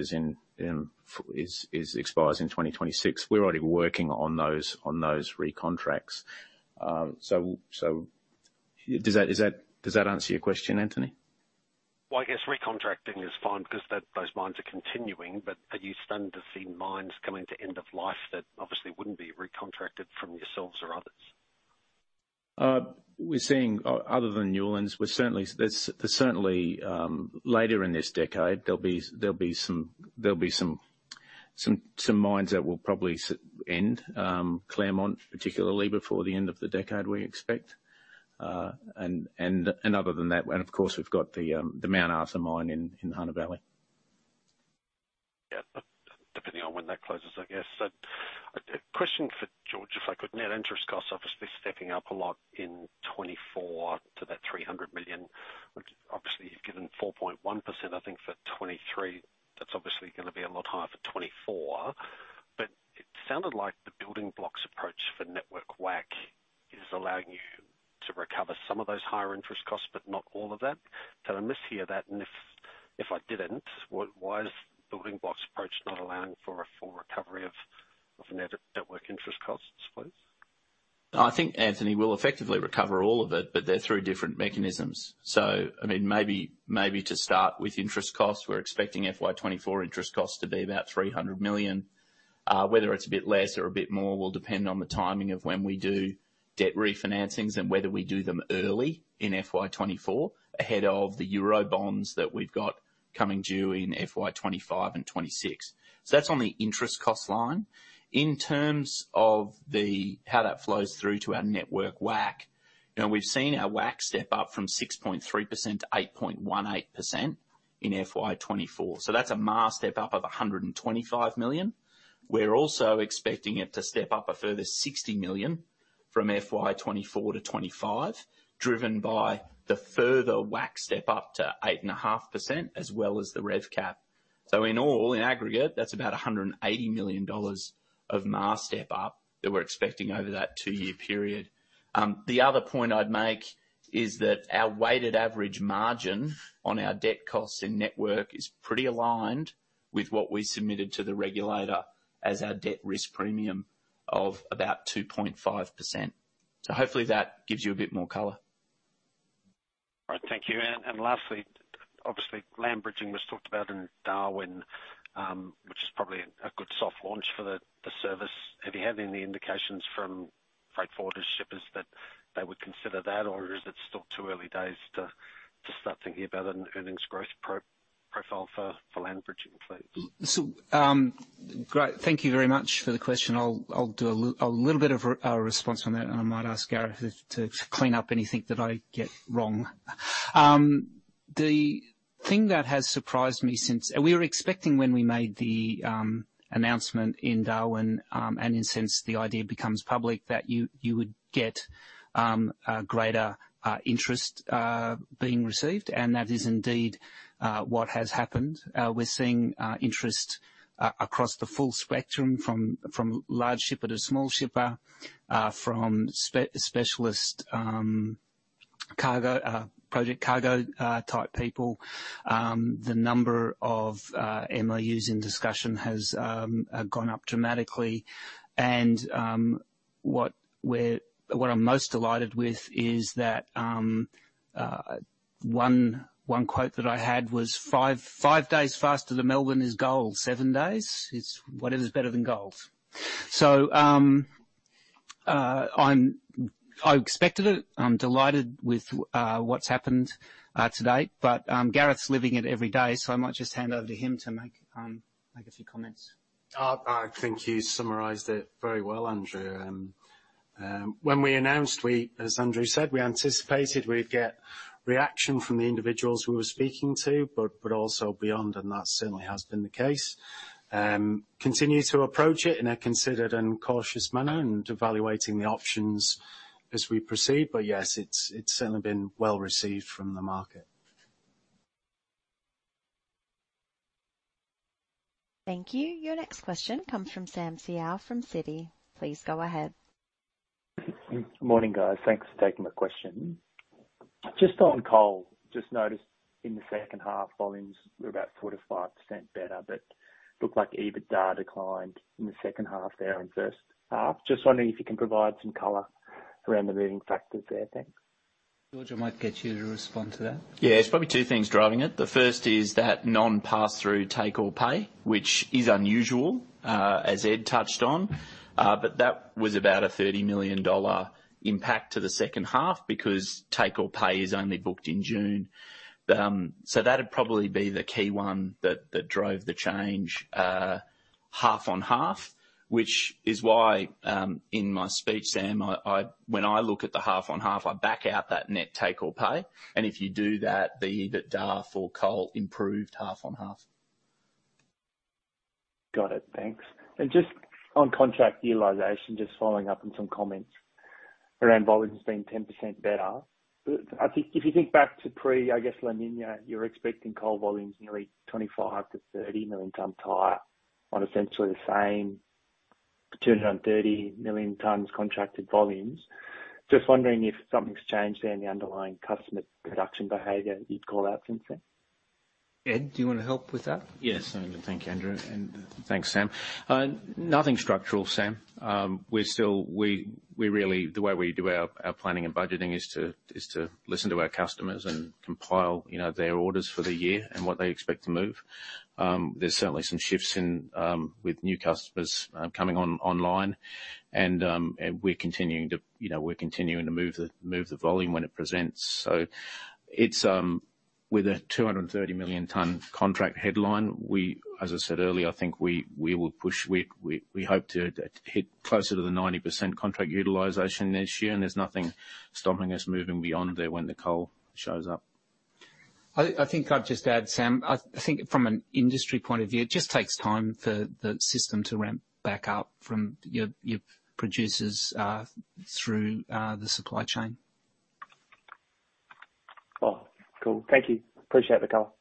expires in 2026. We're already working on those, on those recontracts. Does that answer your question, Anthony? Well, I guess recontracting is fine because that, those mines are continuing, but are you starting to see mines coming to end of life that obviously wouldn't be recontracted from yourselves or others?... we're seeing, other than Newlands, we're certainly, there's certainly, later in this decade, there'll be, there'll be some, there'll be some, some, some mines that will probably end, Clermont, particularly before the end of the decade, we expect. And, and other than that, and of course, we've got the, the Mount Arthur mine in, in Hunter Valley. Depending on when that closes, I guess. A question for George, if I could. Net interest costs obviously stepping up a lot in 2024 to that 300 million, which obviously you've given 4.1%, I think, for 2023. That's obviously gonna be a lot higher for 2024. It sounded like the building blocks approach for network WACC is allowing you to recover some of those higher interest costs, but not all of that. Did I mishear that? If I didn't, why is the building blocks approach not allowing for a full recovery of net network interest costs, please? I think, Anthony, we'll effectively recover all of it, they're through different mechanisms. I mean, maybe, maybe to start with interest costs, we're expecting FY 2024 interest costs to be about 300 million. Whether it's a bit less or a bit more will depend on the timing of when we do debt refinancings and whether we do them early in FY 2024, ahead of the Euro bonds that we've got coming due in FY 2025 and 2026. That's on the interest cost line. In terms of the, how that flows through to our network WACC, you know, we've seen our WACC step up from 6.3% - 8.18% in FY 2024, that's a MAR step up of 125 million. We're also expecting it to step up a further 60 million from FY 2024 to 2025, driven by the further WACC step up to 8.5%, as well as the Revenue Cap. In all, in aggregate, that's about 180 million dollars of MAR step up that we're expecting over that two-year period. The other point I'd make is that our weighted average margin on our debt costs and network is pretty aligned with what we submitted to the regulator as our debt risk premium of about 2.5%. Hopefully that gives you a bit more color. All right, thank you. Lastly, obviously, land bridging was talked about in Darwin, which is probably a good soft launch for the service. Have you had any indications from freight forwarder shippers that they would consider that, or is it still too early days to start thinking about an earnings growth pro-profile for land bridging, please? Great. Thank you very much for the question. I'll do a little bit of a response on that, and I might ask Gareth to clean up anything that I get wrong. The thing that has surprised me since... We were expecting when we made the announcement in Darwin, and since the idea becomes public, that you would get a greater interest being received, and that is indeed what has happened. We're seeing interest across the full spectrum, from large shipper to small shipper, from specialist cargo, project cargo, type people. The number of MOUs in discussion has gone up dramatically. What we're, what I'm most delighted with is that, one quote that I had was, "5 days faster than Melbourne is gold. 7 days is, well, it is better than gold." I'm, I expected it. I'm delighted with, what's happened, to date, but, Gareth's living it every day, so I might just hand over to him to make, make a few comments. I think you summarized it very well, Andrew. When we announced, we, as Andrew said, we anticipated we'd get reaction from the individuals we were speaking to, but, but also beyond, and that certainly has been the case. Continue to approach it in a considered and cautious manner, and evaluating the options as we proceed. Yes, it's, it's certainly been well-received from the market. Thank you. Your next question comes from Sam Seow from Citi. Please go ahead. Morning, guys. Thanks for taking my question. Just on coal, just noticed in the second half, volumes were about 4%-5% better, but looked like EBITDA declined in the second half there and first half. Just wondering if you can provide some color around the moving factors there, thanks. George, I might get you to respond to that. Yeah, it's probably two things driving it. The first is that non-pass-through take-or-pay, which is unusual, as Ed touched on. That was about an AUD 30 million impact to the second half, because take-or-pay is only booked in June. That'd probably be the key one that, that drove the change, half-on-half, which is why, in my speech, Sam, I, I, when I look at the half-on-half, I back out that net take-or-pay. If you do that, the EBITDA for coal improved half-on-half. Got it. Thanks. Just on contract utilization, just following up on some comments around volumes being 10% better. I think if you think back to pre, I guess, La Niña, you're expecting coal volumes nearly 25 million-30 million ton higher on essentially the same 230 million tons contracted volumes. Just wondering if something's changed there in the underlying customer production behavior you'd call out since then? Ed, do you want to help with that? Yes, Andrew. Thank you, Andrew, and thanks, Sam. Nothing structural, Sam. We're still, we, we really, the way we do our, our planning and budgeting is to, is to listen to our customers and compile, you know, their orders for the year and what they expect to move. There's certainly some shifts in with new customers coming on online and we're continuing to, you know, we're continuing to move the, move the volume when it presents. It's. With a 230 million ton contract headline, we, as I said earlier, I think we, we will push. We, we, we hope to hit closer to the 90% contract utilization this year. There's nothing stopping us moving beyond there when the coal shows up. I, I think I'd just add, Sam, I, I think from an industry point of view, it just takes time for the system to ramp back up from your, your producers, through, the supply chain. Oh, cool. Thank you. Appreciate the call.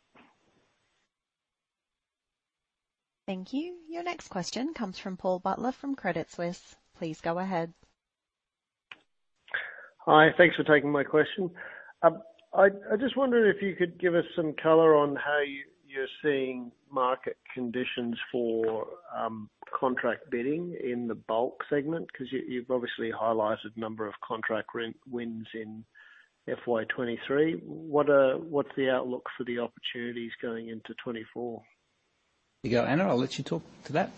Thank you. Your next question comes from Paul Butler, from Credit Suisse. Please go ahead. Hi, thanks for taking my question. I just wondered if you could give us some color on how you're seeing market conditions for contract bidding in the bulk segment? 'Cause you've obviously highlighted a number of contract win-wins in FY 2023. What's the outlook for the opportunities going into 2024? You go, Anna, I'll let you talk to that.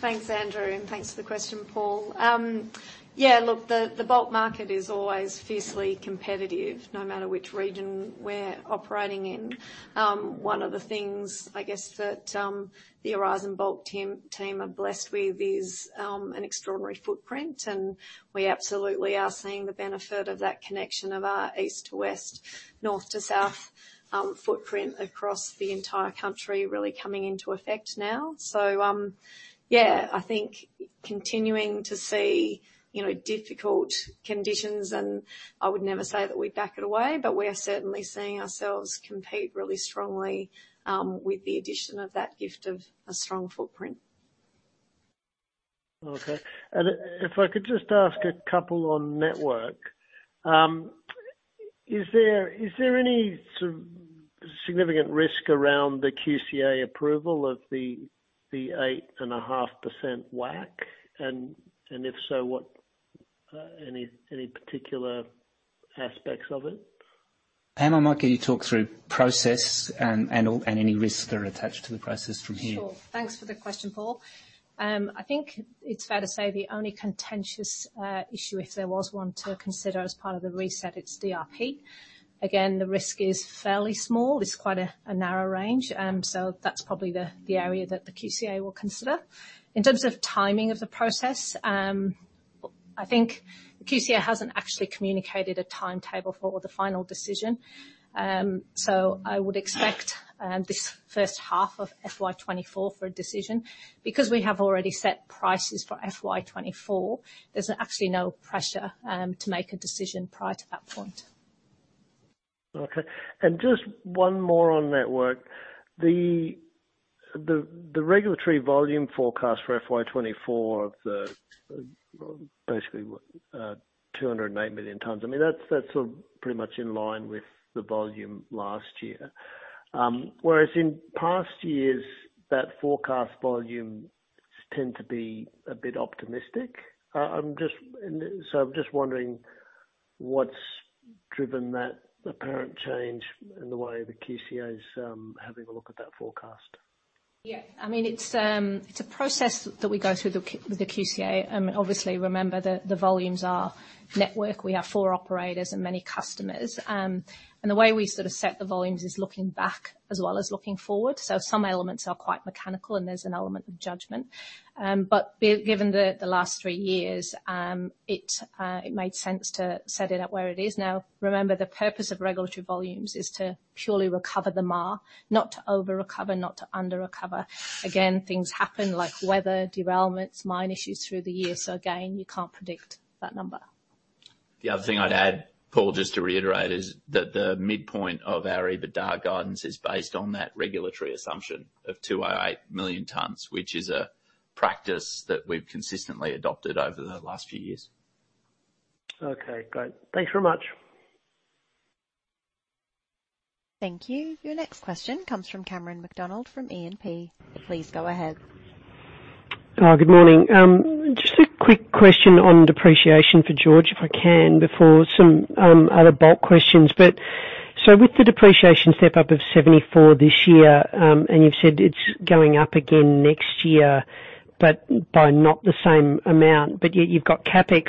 Thanks, Andrew, and thanks for the question, Paul. The bulk market is always fiercely competitive, no matter which region we're operating in. One of the things, I guess, that the Aurizon Bulk team are blessed with is an extraordinary footprint, and we absolutely are seeing the benefit of that connection of our east to west, north to south, footprint across the entire country, really coming into effect now. I think continuing to see, you know, difficult conditions, and I would never say that we back it away, but we are certainly seeing ourselves compete really strongly with the addition of that gift of a strong footprint. Okay. If I could just ask a couple on Aurizon Network. Is there, is there any significant risk around the QCA approval of the 8.5% WACC? If so, what, any, any particular aspects of it? Anna, I'll let you talk through process and, and all, and any risks that are attached to the process from here. Sure. Thanks for the question, Paul. I think it's fair to say the only contentious issue, if there was one, to consider as part of the reset, it's DRP. Again, the risk is fairly small. It's quite a narrow range. So that's probably the area that the QCA will consider. In terms of timing of the process, I think QCA hasn't actually communicated a timetable for the final decision. So I would expect this first half of FY 2024 for a decision. Because we have already set prices for FY 2024, there's actually no pressure to make a decision prior to that point. Okay, just one more on Network. The regulatory volume forecast for FY 2024 of the, basically, what, 208 million tons, I mean, that's, that's sort of pretty much in line with the volume last year. Whereas in past years, that forecast volumes tend to be a bit optimistic. I'm just wondering what's driven that apparent change in the way the QCA is having a look at that forecast. Yeah, I mean, it's, it's a process that we go through with the QCA. Obviously, remember that the volumes are network. We have four operators and many customers. The way we sort of set the volumes is looking back as well as looking forward. Some elements are quite mechanical, and there's an element of judgment. Given the last three years, it made sense to set it up where it is now. Remember, the purpose of regulatory volumes is to purely recover the MAR, not to over-recover, not to under-recover. Things happen like weather, derailments, mine issues through the year, so again, you can't predict that number. The other thing I'd add, Paul, just to reiterate, is that the midpoint of our EBITDA guidance is based on that regulatory assumption of 208 million tons, which is a practice that we've consistently adopted over the last few years. Okay, great. Thanks very much. Thank you. Your next question comes from Cameron McDonald, from E&P. Please go ahead. Good morning. Just a quick question on depreciation for George, if I can, before some other bulk questions. With the depreciation step-up of 74 this year, and you've said it's going up again next year, but by not the same amount, yet you've got Capex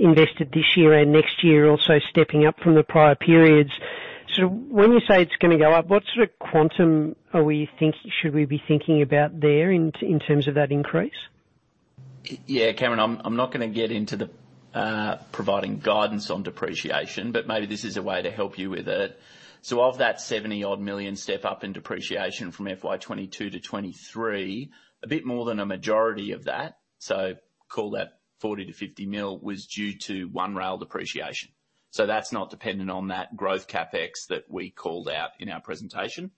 invested this year and next year, also stepping up from the prior periods. When you say it's gonna go up, what sort of quantum should we be thinking about there in terms of that increase? Yeah, Cameron, I'm not gonna get into the providing guidance on depreciation, but maybe this is a way to help you with it. Of that 70-odd million step up in depreciation from FY 2022 to 2023, a bit more than a majority of that, call that 40 to 50 mil, was due to One Rail depreciation. That's not dependent on that growth Capex that we called out in our presentation.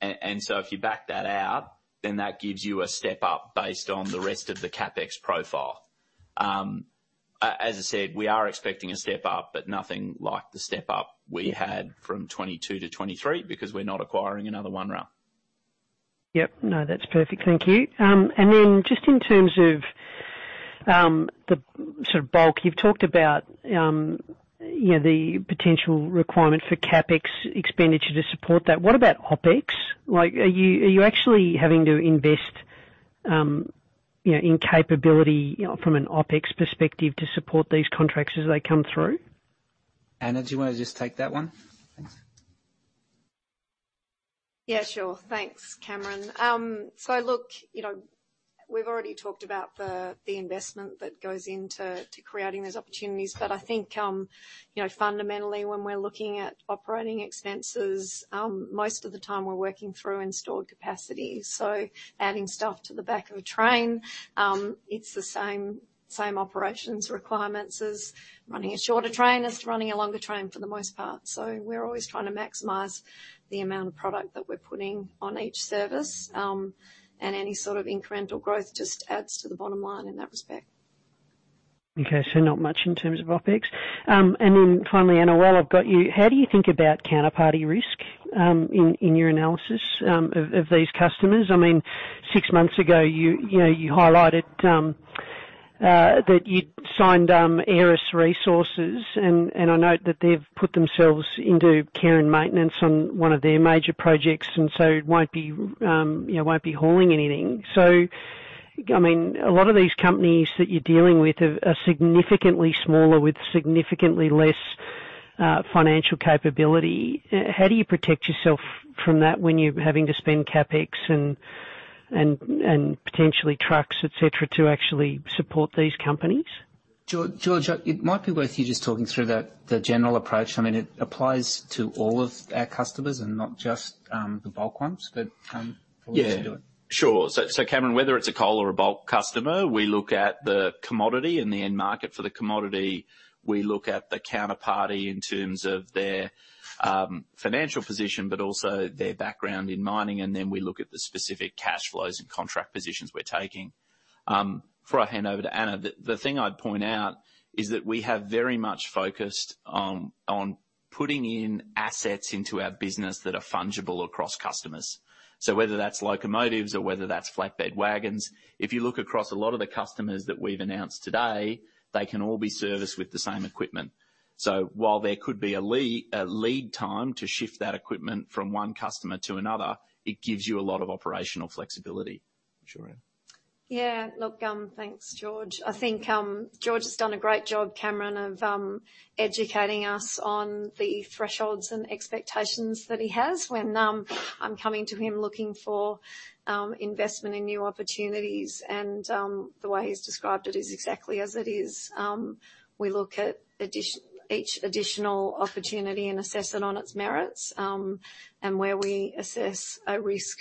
If you back that out, then that gives you a step-up based on the rest of the Capex profile. As I said, we are expecting a step-up, but nothing like the step-up we had from 2022 to 2023, because we're not acquiring another One Rail. Yep. No, that's perfect, thank you. Then just in terms of the sort of bulk, you've talked about, you know, the potential requirement for Capex expenditure to support that. What about Opex? Like, are you, are you actually having to invest-... you know, in capability, from an Opex perspective, to support these contracts as they come through? Anna, do you want to just take that one? Thanks. Yeah, sure. Thanks, Cameron. Look, you know, we've already talked about the, the investment that goes into, to creating those opportunities, but I think, you know, fundamentally, when we're looking at operating expenses, most of the time we're working through in stored capacity. Adding stuff to the back of a train, it's the same, same operations requirements as running a shorter train, as to running a longer train for the most part. We're always trying to maximize the amount of product that we're putting on each service, and any sort of incremental growth just adds to the bottom line in that respect. Okay, not much in terms of Opex. Then finally, Anna, while I've got you, how do you think about counterparty risk in your analysis of these customers? I mean, six months ago, you know, you highlighted that you'd signed Aeris Resources, and I note that they've put themselves into care and maintenance on one of their major projects, and so it won't be, you know, won't be hauling anything. I mean, a lot of these companies that you're dealing with are significantly smaller, with significantly less financial capability. How do you protect yourself from that when you're having to spend Capex and potentially trucks, et cetera, to actually support these companies? George, George, it might be worth you just talking through the, the general approach. I mean, it applies to all of our customers and not just the bulk ones, but for you to do it. Yeah, sure. Cameron, whether it's a coal or a bulk customer, we look at the commodity and the end market for the commodity. We look at the counterparty in terms of their financial position, but also their background in mining, and then we look at the specific cash flows and contract positions we're taking. Before I hand over to Anna, the thing I'd point out is that we have very much focused on putting in assets into our business that are fungible across customers. Whether that's locomotives or whether that's flatbed wagons, if you look across a lot of the customers that we've announced today, they can all be serviced with the same equipment. While there could be a lead time to shift that equipment from one customer to another, it gives you a lot of operational flexibility. Sure, Anna. Yeah. Look, thanks, George. I think George has done a great job, Cameron, of educating us on the thresholds and expectations that he has when I'm coming to him looking for investment in new opportunities, and the way he's described it is exactly as it is. We look at each additional opportunity and assess it on its merits, and where we assess a risk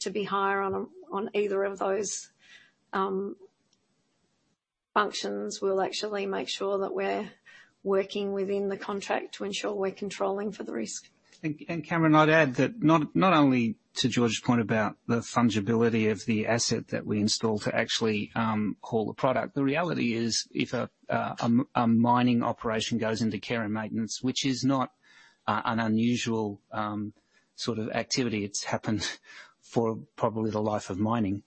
to be higher on, on either of those functions, we'll actually make sure that we're working within the contract to ensure we're controlling for the risk. Cameron, I'd add that not, not only to George's point about the fungibility of the asset that we install to actually haul the product, the reality is, if a mining operation goes into care and maintenance, which is not an unusual sort of activity, it's happened for probably the life of mining.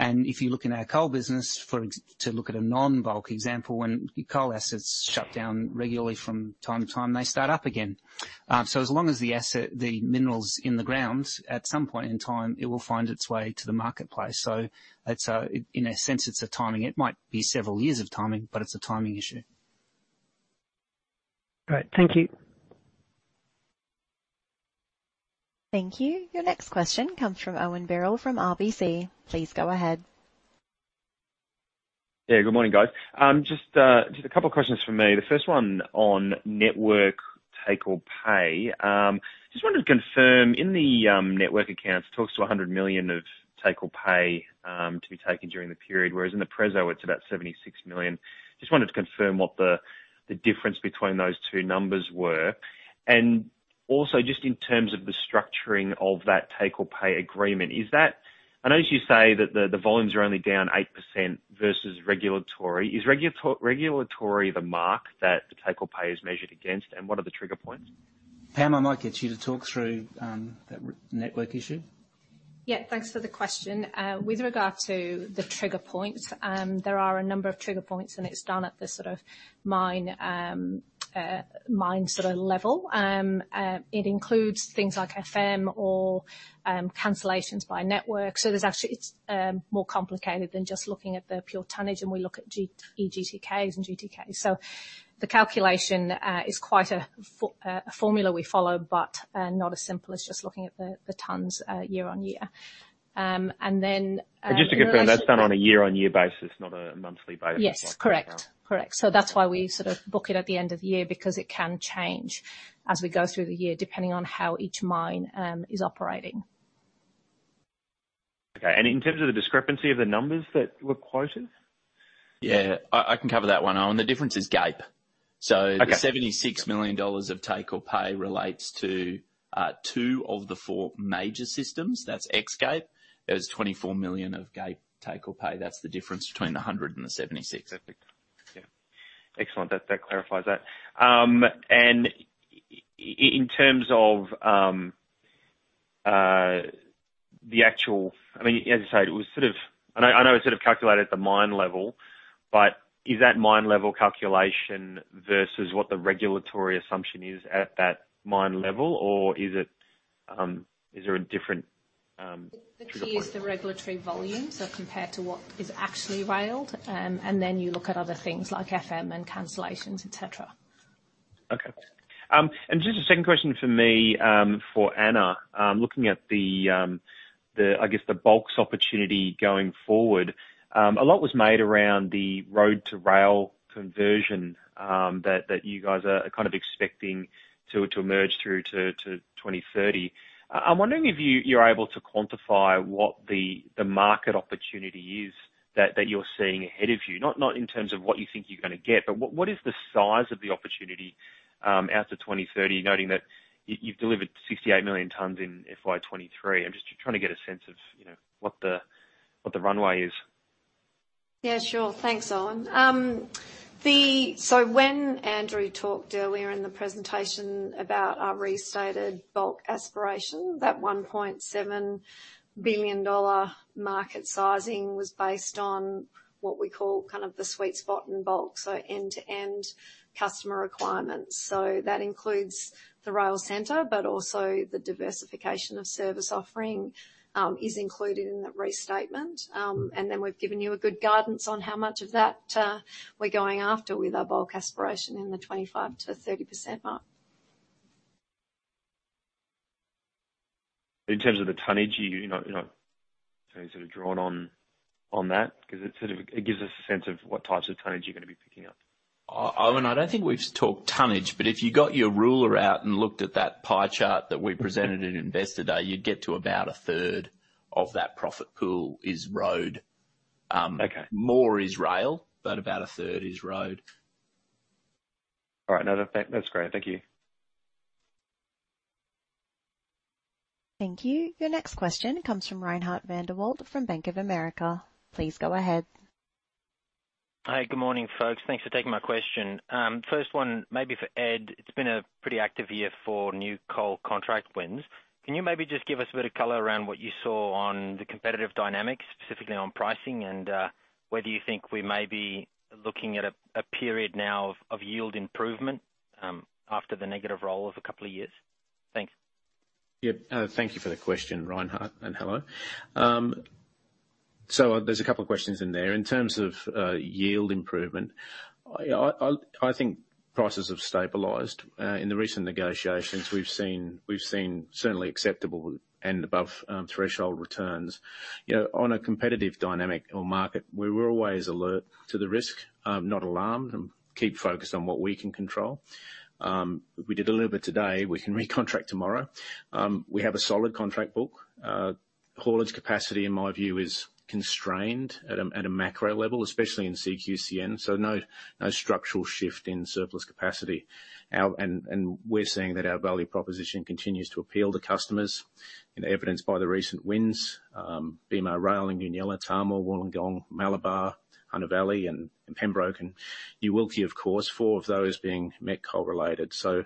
If you look in our coal business, for to look at a non-bulk example, when coal assets shut down regularly from time to time, they start up again. As long as the asset, the mineral's in the ground, at some point in time, it will find its way to the marketplace. It's in a sense, it's a timing. It might be several years of timing, but it's a timing issue. Great. Thank you. Thank you. Your next question comes from Owen Birrell, from RBC. Please go ahead. Yeah, good morning, guys. Just 2 questions from me. The first one on network take-or-pay. Just wanted to confirm, in the network accounts, talks to 100 million of take-or-pay to be taken during the period, whereas in the preso, it's about 76 million. Just wanted to confirm what the difference between those 2 numbers were. Also, just in terms of the structuring of that take-or-pay agreement, is that... I notice you say that the volumes are only down 8% versus regulatory. Is regulatory the mark that the take-or-pay is measured against, and what are the trigger points? Pam, I might get you to talk through that Network issue. Yeah, thanks for the question. With regard to the trigger points, there are a number of trigger points, and it's done at the sort of mine, mine sort of level. It includes things like FM or cancellations by network. There's actually, it's more complicated than just looking at the pure tonnage, and we look at eGTK and GTK. The calculation is quite a formula we follow, but not as simple as just looking at the, the tons, year-on-year. Then, Just to confirm, that's done on a year-on-year basis, not a monthly basis? Yes, correct. Correct. That's why we sort of book it at the end of the year, because it can change as we go through the year, depending on how each mine is operating. Okay. In terms of the discrepancy of the numbers that were quoted? Yeah, I, I can cover that one, Owen. The difference is GAPE. Okay. The 76 million dollars of take-or-pay relates to two of the four major systems. That's ex GAPE. There's 24 million of GAPE take-or-pay. That's the difference between the 100 and the 76. Perfect. Yeah. Excellent, that, that clarifies that. In terms of, I mean, as I said, it was sort of, I know, I know it was sort of calculated at the mine level. Is that mine level calculation versus what the regulatory assumption is at that mine level, or is it, is there a different, to the point? The key is the regulatory volume, so compared to what is actually railed, and then you look at other things like FM and cancellations, et cetera. Okay. Just a second question from me for Anna. Looking at the, I guess, the bulks opportunity going forward, a lot was made around the road to rail conversion that you guys are kind of expecting to emerge through to 2030. I'm wondering if you're able to quantify what the market opportunity is that you're seeing ahead of you? Not in terms of what you think you're gonna get, but what is the size of the opportunity out to 2030, noting that you've delivered 68 million tons in FY 2023. I'm just trying to get a sense of, you know, what the runway is. Yeah, sure. Thanks, Owen. When Andrew talked earlier in the presentation about our restated Bulk aspiration, that 1.7 billion dollar market sizing was based on what we call kind of the sweet spot in Bulk, end-to-end customer requirements. That includes the rail center, but also the diversification of service offering is included in that restatement. Then we've given you a good guidance on how much of that we're going after with our Bulk aspiration in the 25%-30% mark. In terms of the tonnage, you, you know, you know, sort of drawn on, on that? 'Cause it sort of, it gives us a sense of what types of tonnage you're gonna be picking up. Oh, Owen, I don't think we've talked tonnage, but if you got your ruler out and looked at that pie chart that we presented at Investor Day, you'd get to about a third of that profit pool is road. Okay. More is rail, but about a third is road. All right. No, that, that's great. Thank you. Thank you. Your next question comes from Reinhardt van der Walt from Bank of America. Please go ahead. Hi, good morning, folks. Thanks for taking my question. First one, maybe for Ed. It's been a pretty active year for new coal contract wins. Can you maybe just give us a bit of color around what you saw on the competitive dynamics, specifically on pricing, and whether you think we may be looking at a, a period now of, of yield improvement after the negative roll of a couple of years? Thanks. Yeah. Thank you for the question, Reinhardt, and hello. There's a couple of questions in there. In terms of yield improvement, I, I, I think prices have stabilized. In the recent negotiations we've seen, we've seen certainly acceptable and above threshold returns. You know, on a competitive dynamic or market, we're always alert to the risk, not alarmed, and keep focused on what we can control. If we deliver today, we can recontract tomorrow. We have a solid contract book. Haulage capacity, in my view, is constrained at a, at a macro level, especially in CQCN, so no, no structural shift in surplus capacity. Our... We're seeing that our value proposition continues to appeal to customers, and evidenced by the recent wins, BMA Rail and Goonyella, Tahmoor, Wollongong, Malabar, Hunter Valley, and Pembroke and New Wilkie, of course, four of those being met coal-related. You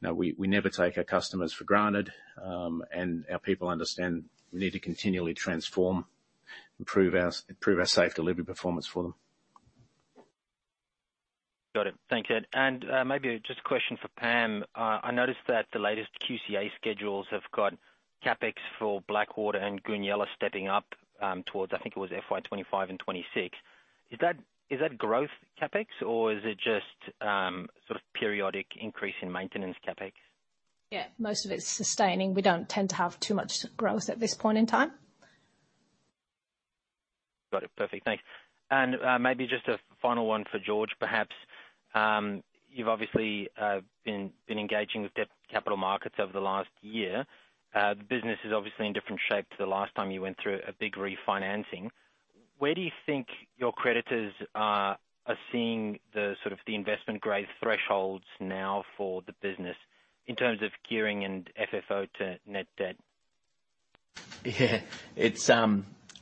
know, we, we never take our customers for granted, and our people understand we need to continually transform, improve our, improve our safe delivery performance for them. Got it. Thank you, Ed. Maybe just a question for Pam? I noticed that the latest QCA schedules have got Capex for Blackwater and Goonyella stepping up towards, I think it was FY 2025 and 2026. Is that, is that growth Capex or is it just sort of periodic increase in maintenance Capex? Yeah, most of it's sustaining. We don't tend to have too much growth at this point in time. Got it. Perfect. Thanks. Maybe just a final one for George, perhaps. You've obviously been, been engaging with debt capital markets over the last year. The business is obviously in different shape to the last time you went through a big refinancing. Where do you think your creditors are, are seeing the sort of the investment-grade thresholds now for the business in terms of gearing and FFO to net debt? Yeah, it's.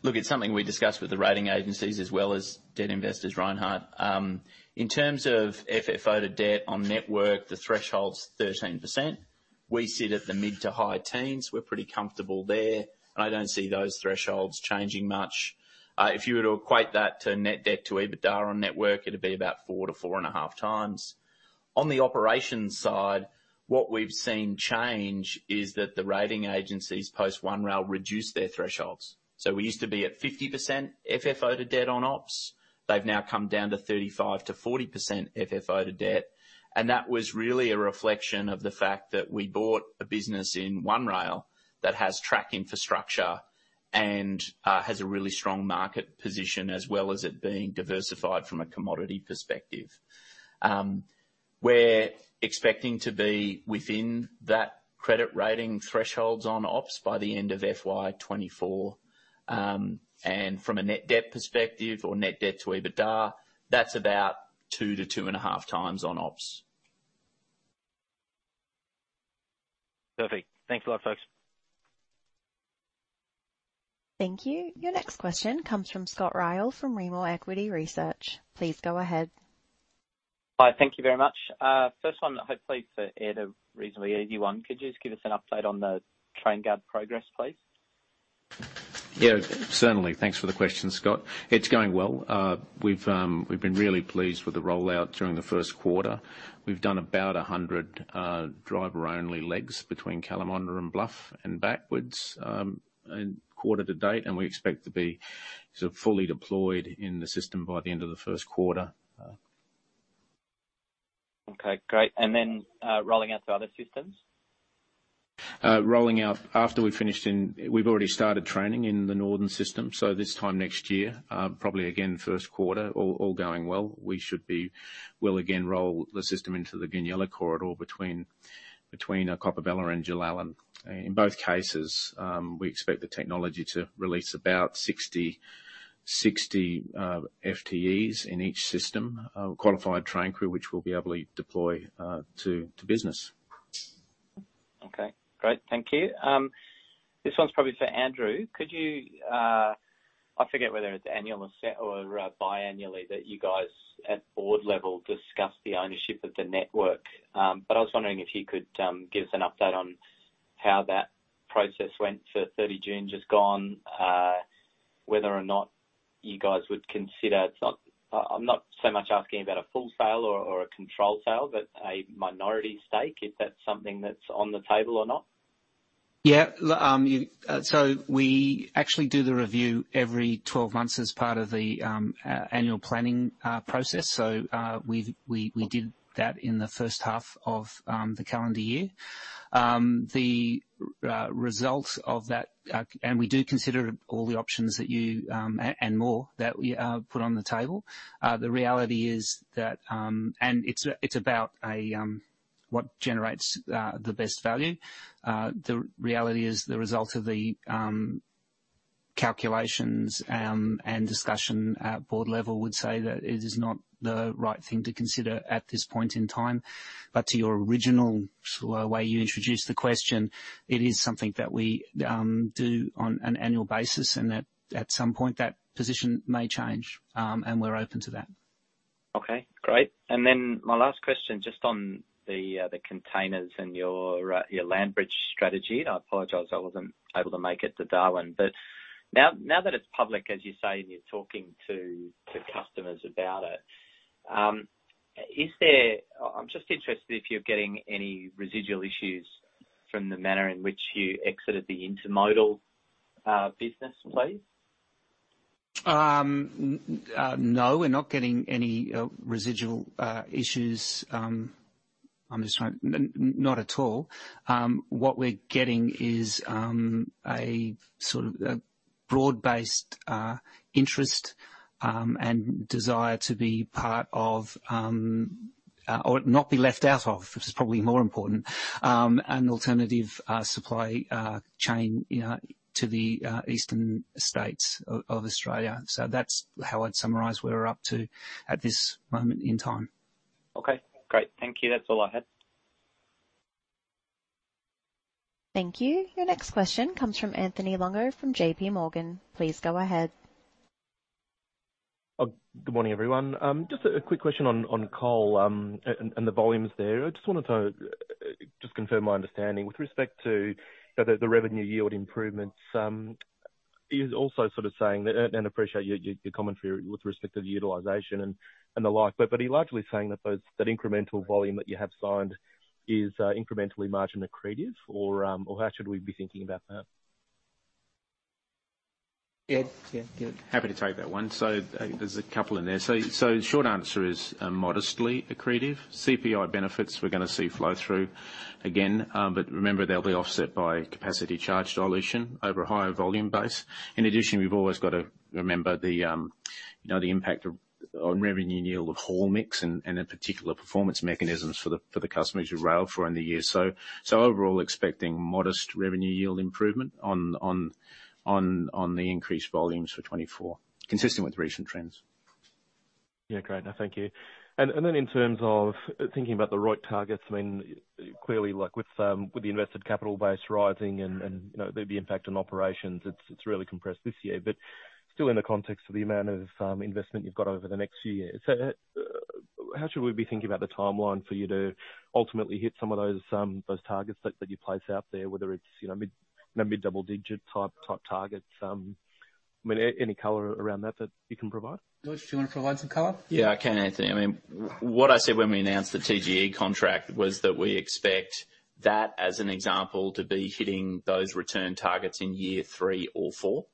Look, it's something we discussed with the rating agencies as well as debt investors, Reinhardt. In terms of FFO to debt on network, the threshold's 13%. We sit at the mid-to-high teens. We're pretty comfortable there, and I don't see those thresholds changing much. If you were to equate that to net debt, to EBITDA on network, it'd be about 4-4.5x. On the operations side, what we've seen change is that the rating agencies post One Rail reduced their thresholds. So we used to be at 50% FFO to debt on ops. They've now come down to 35%-40% FFO to debt. That was really a reflection of the fact that we bought a business in One Rail that has track infrastructure and has a really strong market position, as well as it being diversified from a commodity perspective. We're expecting to be within that credit rating thresholds on ops by the end of FY 2024. From a net debt perspective or net debt to EBITDA, that's about 2-2.5 times on ops. Perfect. Thanks a lot, folks. Thank you. Your next question comes from Scott Ryall from Rimor Equity Research. Please go ahead. Hi, thank you very much. First one, hopefully for Ed, a reasonably easy one. Could you just give us an update on the TrainGuard progress, please? Yeah, certainly. Thanks for the question, Scott. It's going well. We've been really pleased with the rollout during the Q1. We've done about 100 driver-only legs between Callemondah and Bluff and backwards in quarter to date, and we expect to be sort of fully deployed in the system by the end of the Q1. Okay, great. Then, rolling out to other systems? Rolling out, We've already started training in the Northern system, so this time next year, probably again, 1st quarter, all going well, we'll again roll the system into the Goonyella corridor between, between Coppabella and Jilalan. In both cases, we expect the technology to release about 60, 60 FTEs in each system of qualified train crew, which we'll be able to deploy to, to business. Okay, great. Thank you. This one's probably for Andrew. Could you... I forget whether it's annual or se- or biannually that you guys, at board level, discuss the ownership of the network. I was wondering if you could give us an update on how that process went for 30 June just gone, whether or not you guys would consider, I'm not so much asking about a full sale or, or a control sale, but a minority stake. Is that something that's on the table or not? Yeah. Look, you, so we actually do the review every 12 months as part of the annual planning process. We've, we, we did that in the 1st half of the calendar year. The results of that, and we do consider all the options that you and more, that we put on the table. The reality is that. It's about what generates the best value. The reality is, the result of the calculations and discussion at board level would say that it is not the right thing to consider at this point in time. To your original sort of way you introduced the question, it is something that we do on an annual basis, and that at some point, that position may change, and we're open to that. Okay, great. My last question, just on the containers and your land bridge strategy. I apologize I wasn't able to make it to Darwin. Now, now that it's public, as you say, and you're talking to customers about it, I'm just interested if you're getting any residual issues from the manner in which you exited the intermodal business, please? No, we're not getting any residual issues. I'm just trying to... Not at all. What we're getting is a sort of a broad-based interest and desire to be part of or not be left out of, which is probably more important, an alternative supply chain, you know, to the eastern states of Australia. That's how I'd summarize where we're up to at this moment in time. Okay, great. Thank you. That's all I had. Thank you. Your next question comes from Anthony Longo of J.P. Morgan. Please go ahead. Good morning, everyone. Just a quick question on coal, and the volumes there. I just wanted to confirm my understanding. With respect to the revenue yield improvements, are you also sort of saying that... Appreciate your commentary with respect to the utilization and the like, but are you largely saying that those, that incremental volume that you have signed is incrementally margin accretive? Or how should we be thinking about that? Ed? Yeah, Ed. Happy to take that one. There's a couple in there. The short answer is, modestly accretive. CPI benefits, we're going to see flow-through again, but remember, they'll be offset by capacity charge dilution over a higher volume base. In addition, we've always got to remember the, you know, the impact of, on revenue yield of whole mix and, in particular, performance mechanisms for the customers of rail for in the year. Overall, expecting modest revenue yield improvement on the increased volumes for 2024, consistent with recent trends. Yeah, great. No, thank you. Then in terms of thinking about the ROIC targets, I mean, clearly, like with, with the invested capital base rising and, and, you know, the impact on operations, it's, it's really compressed this year. Still in the context of the amount of investment you've got over the next few years, so how should we be thinking about the timeline for you to ultimately hit some of those targets that, that you place out there, whether it's, you know, mid, maybe double-digit type, type targets? I mean, any color around that, that you can provide? George, do you want to provide some color? Yeah, I can, Anthony. What I said when we announced the TGE contract was that we expect that, as an example, to be hitting those return targets in year three or four.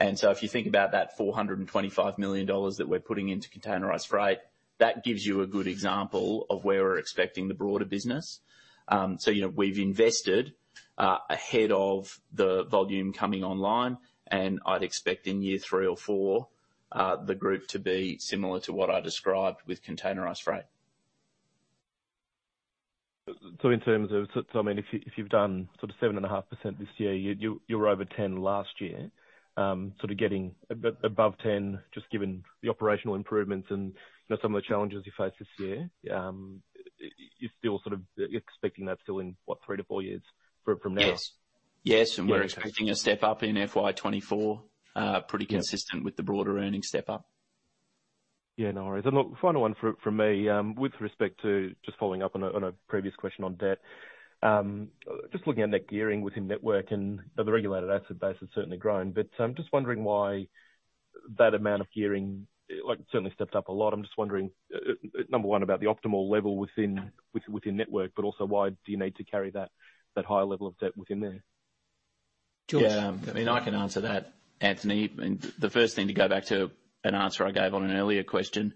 If you think about that 425 million dollars that we're putting into containerized freight, that gives you a good example of where we're expecting the broader business. So, you know, we've invested ahead of the volume coming online, and I'd expect in year three or four, the group to be similar to what I described with containerized freight. In terms of, I mean, if you, if you've done sort of 7.5% this year, you, you, you were over 10 last year. Sort of getting above 10, just given the operational improvements and, you know, some of the challenges you faced this year, you still sort of expecting that still in, what, 3-4 years from, from now?... Yes, we're expecting a step up in FY 2024, pretty consistent with the broader earnings step up. Yeah, no worries. Look, final one from, from me. With respect to just following up on a, on a previous question on debt. Just looking at net gearing within Network and the regulated asset base has certainly grown, but, I'm just wondering why that amount of gearing, like, certainly stepped up a lot. I'm just wondering, number 1, about the optimal level within, within, within Network, but also why do you need to carry that, that high level of debt within there? George? Yeah, I mean, I can answer that, Anthony. The first thing to go back to an answer I gave on an earlier question.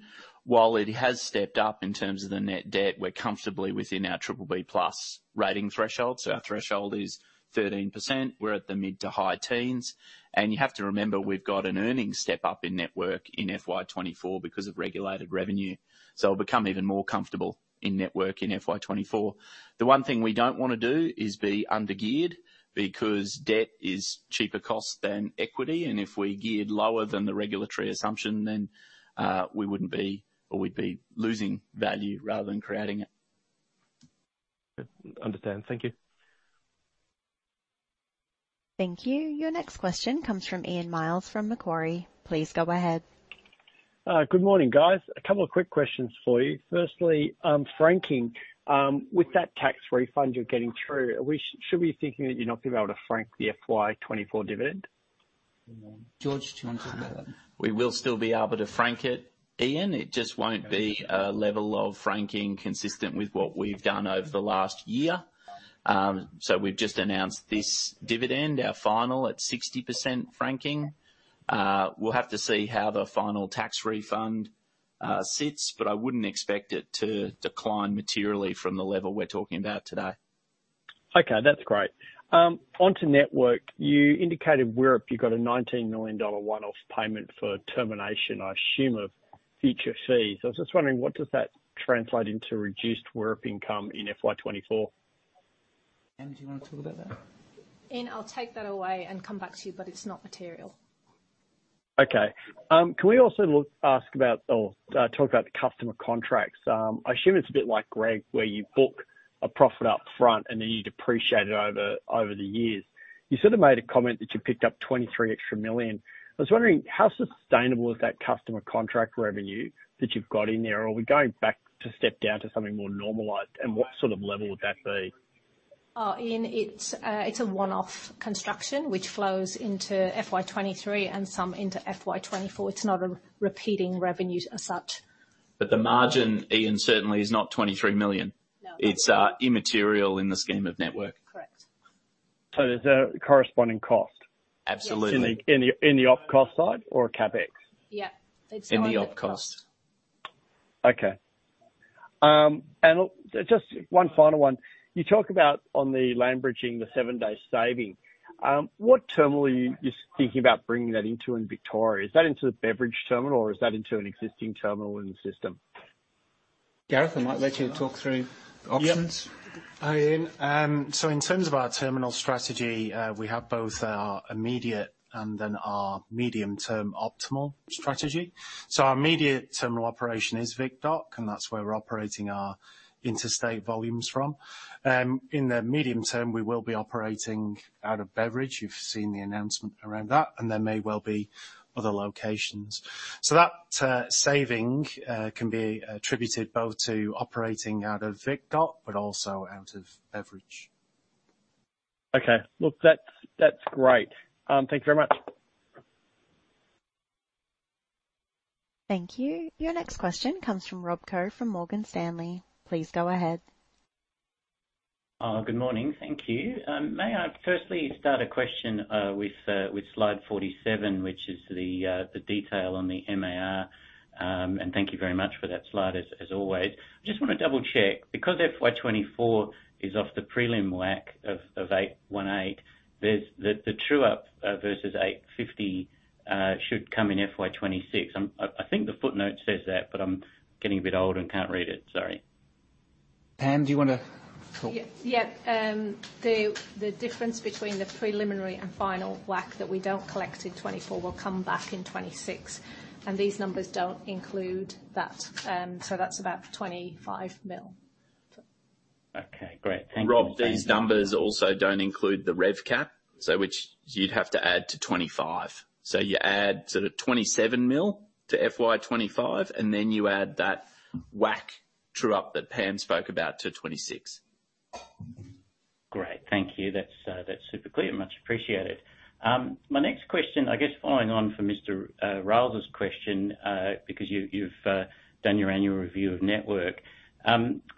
While it has stepped up in terms of the net debt, we're comfortably within our BBB+ rating threshold. Our threshold is 13%. We're at the mid-to-high teens, and you have to remember, we've got an earnings step up in network in FY 2024 because of regulated revenue. It'll become even more comfortable in network in FY 2024. The one thing we don't want to do is be under-geared, because debt is cheaper cost than equity, and if we're geared lower than the regulatory assumption, then we wouldn't be, or we'd be losing value rather than creating it. Understand. Thank you. Thank you. Your next question comes from Ian Myles, from Macquarie. Please go ahead. Good morning, guys. A couple of quick questions for you. Firstly, franking. With that tax refund you're getting through, should we be thinking that you're not going to be able to frank the FY 2024 dividend? George, do you want to talk about that? We will still be able to frank it, Ian. It just won't be a level of franking consistent with what we've done over the last year. We've just announced this dividend, our final at 60% franking. We'll have to see how the final tax refund, sits, but I wouldn't expect it to decline materially from the level we're talking about today. Okay, that's great. onto Network. You indicated WIRP, you got an 19 million dollar one-off payment for termination, I assume, of future fees. I was just wondering, what does that translate into reduced WIRP income in FY 2024? Pam, do you want to talk about that? Ian, I'll take that away and come back to you, but it's not material. Okay. Can we also look, ask about or talk about the customer contracts? I assume it's a bit like Greg, where you book a profit up front and then you depreciate it over, over the years. You sort of made a comment that you picked up 23 million extra. I was wondering, how sustainable is that customer contract revenue that you've got in there? Are we going back to step down to something more normalized, and what sort of level would that be? Ian, it's, it's a one-off construction, which flows into FY 2023 and some into FY 2024. It's not a repeating revenue as such. The margin, Ian, certainly is not 23 million. No. It's immaterial in the scheme of network. Correct. There's a corresponding cost? Absolutely. In the, in the Opex side or Capex? Yeah, it's. In the op cost. Okay. Just 1 final one. You talk about on the land bridging, the 7-day saving. What terminal are you thinking about bringing that into in Victoria? Is that into the Beveridge terminal or is that into an existing terminal in the system? Gareth, I might let you talk through options. Hi, Ian. In terms of our terminal strategy, we have both our immediate and then our medium-term optimal strategy. Our immediate terminal operation is Vic Dock, and that's where we're operating our interstate volumes from. In the medium term, we will be operating out of Beveridge. You've seen the announcement around that, and there may well be other locations. That saving can be attributed both to operating out of Vic Dock, but also out of Beveridge. Okay. Look, that's, that's great. Thank you very much. Thank you. Your next question comes from Rob Koh, from Morgan Stanley. Please go ahead. Good morning. Thank you. May I firstly start a question with slide 47, which is the detail on the MAR? Thank you very much for that slide, as, as always. Just want to double-check, because FY 2024 is off the prelim WACC of 8.18, there's the true up versus 8.50, should come in FY 2026. I, I think the footnote says that, but I'm getting a bit older and can't read it. Sorry. Pam, do you want to talk? Yeah. Yeah. The difference between the preliminary and final WACC that we don't collect in 2024 will come back in 2026, and these numbers don't include that. That's about 25 million. Okay, great. Thank you. Rob, these numbers also don't include the Revenue Cap, which you'd have to add to 2025. You add sort of 27 million to FY 2025, then you add that WACC true up that Pam spoke about to 2026. Great, thank you. That's super clear. Much appreciated. My next question, I guess, following on from Mr. Ryall's question, because you, you've done your annual review of Network.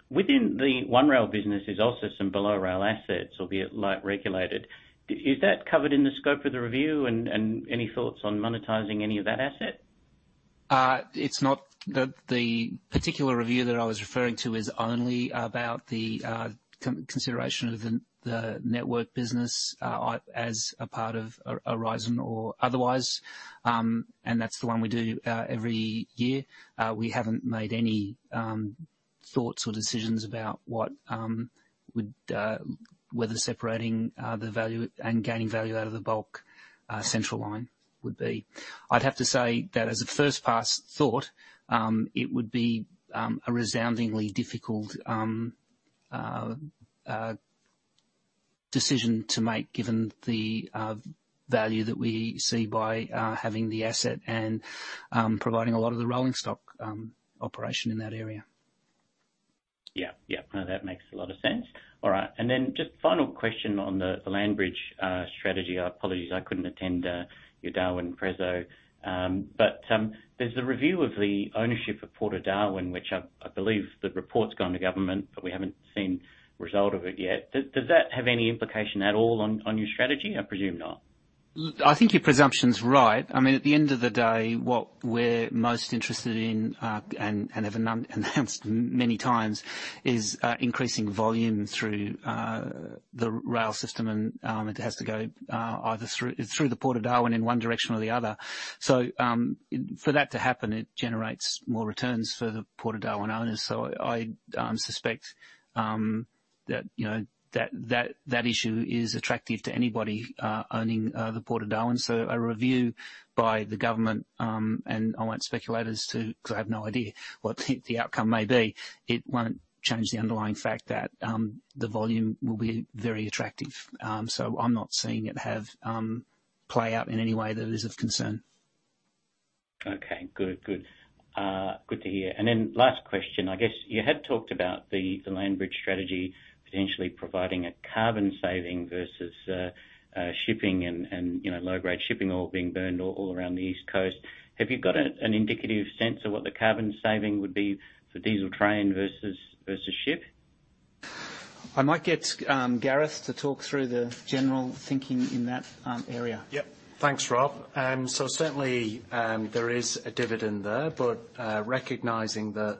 Within the One Rail business, there's also some below rail assets, albeit light regulated. Is that covered in the scope of the review, and any thoughts on monetizing any of that asset? It's not... The particular review that I was referring to is only about the co-consideration of the network business as a part of Aurizon or otherwise. And that's the one we do every year. We haven't made any thoughts or decisions about what would whether separating the value and gaining value out of the Bulk Central line would be. I'd have to say that as a first pass thought, it would be a resoundingly difficult decision to make, given the value that we see by having the asset and providing a lot of the rolling stock operation in that area. Yeah. Yeah, no, that makes a lot of sense. All right, then just final question on the land bridge strategy. Apologies I couldn't attend your Darwin preso. But there's a review of the ownership of Port of Darwin, which I, I believe the report's gone to government, but we haven't seen result of it yet. Does that have any implication at all on your strategy? I presume not. I think your presumption's right. I mean, at the end of the day, what we're most interested in, and have announced many times, is increasing volume through the rail system, and it has to go either through the Port of Darwin in one direction or the other. For that to happen, it generates more returns for the Port of Darwin owners. I, I, suspect that, you know, that, that, that issue is attractive to anybody owning the Port of Darwin. A review by the government, and I won't speculate as to, because I have no idea what the outcome may be, it won't change the underlying fact that the volume will be very attractive. I'm not seeing it have play out in any way that is of concern. Okay, good. Good. Then last question, I guess you had talked about the, the land bridge strategy potentially providing a carbon saving versus shipping and, you know, low-grade shipping oil being burned all around the East Coast. Have you got an, an indicative sense of what the carbon saving would be for diesel train versus, versus ship? I might get Gareth to talk through the general thinking in that area. Yep. Thanks, Rob. Certainly, there is a dividend there, recognizing that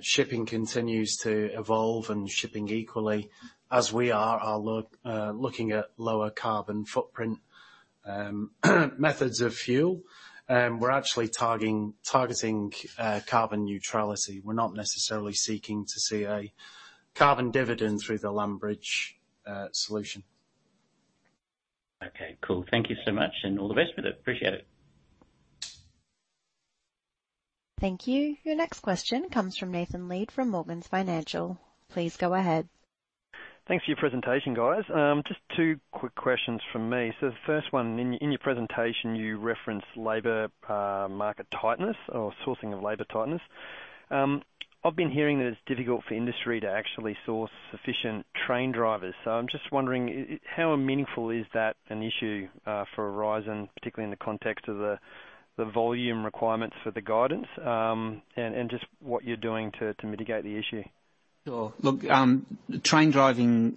shipping continues to evolve and shipping equally, as we are, are look, looking at lower carbon footprint, methods of fuel, we're actually targeting, targeting, carbon neutrality. We're not necessarily seeking to see a carbon dividend through the land bridge solution. Okay, cool. Thank you so much, and all the best with it. Appreciate it. Thank you. Your next question comes from Nathan Lead from Morgans Financial. Please go ahead. Thanks for your presentation, guys. Just 2 quick questions from me. The first one, in your presentation, you referenced labor market tightness or sourcing of labor tightness. I've been hearing that it's difficult for industry to actually source sufficient train drivers, so I'm just wondering, how meaningful is that an issue for Aurizon, particularly in the context of the volume requirements for the guidance? Just what you're doing to mitigate the issue. Sure. Look, train driving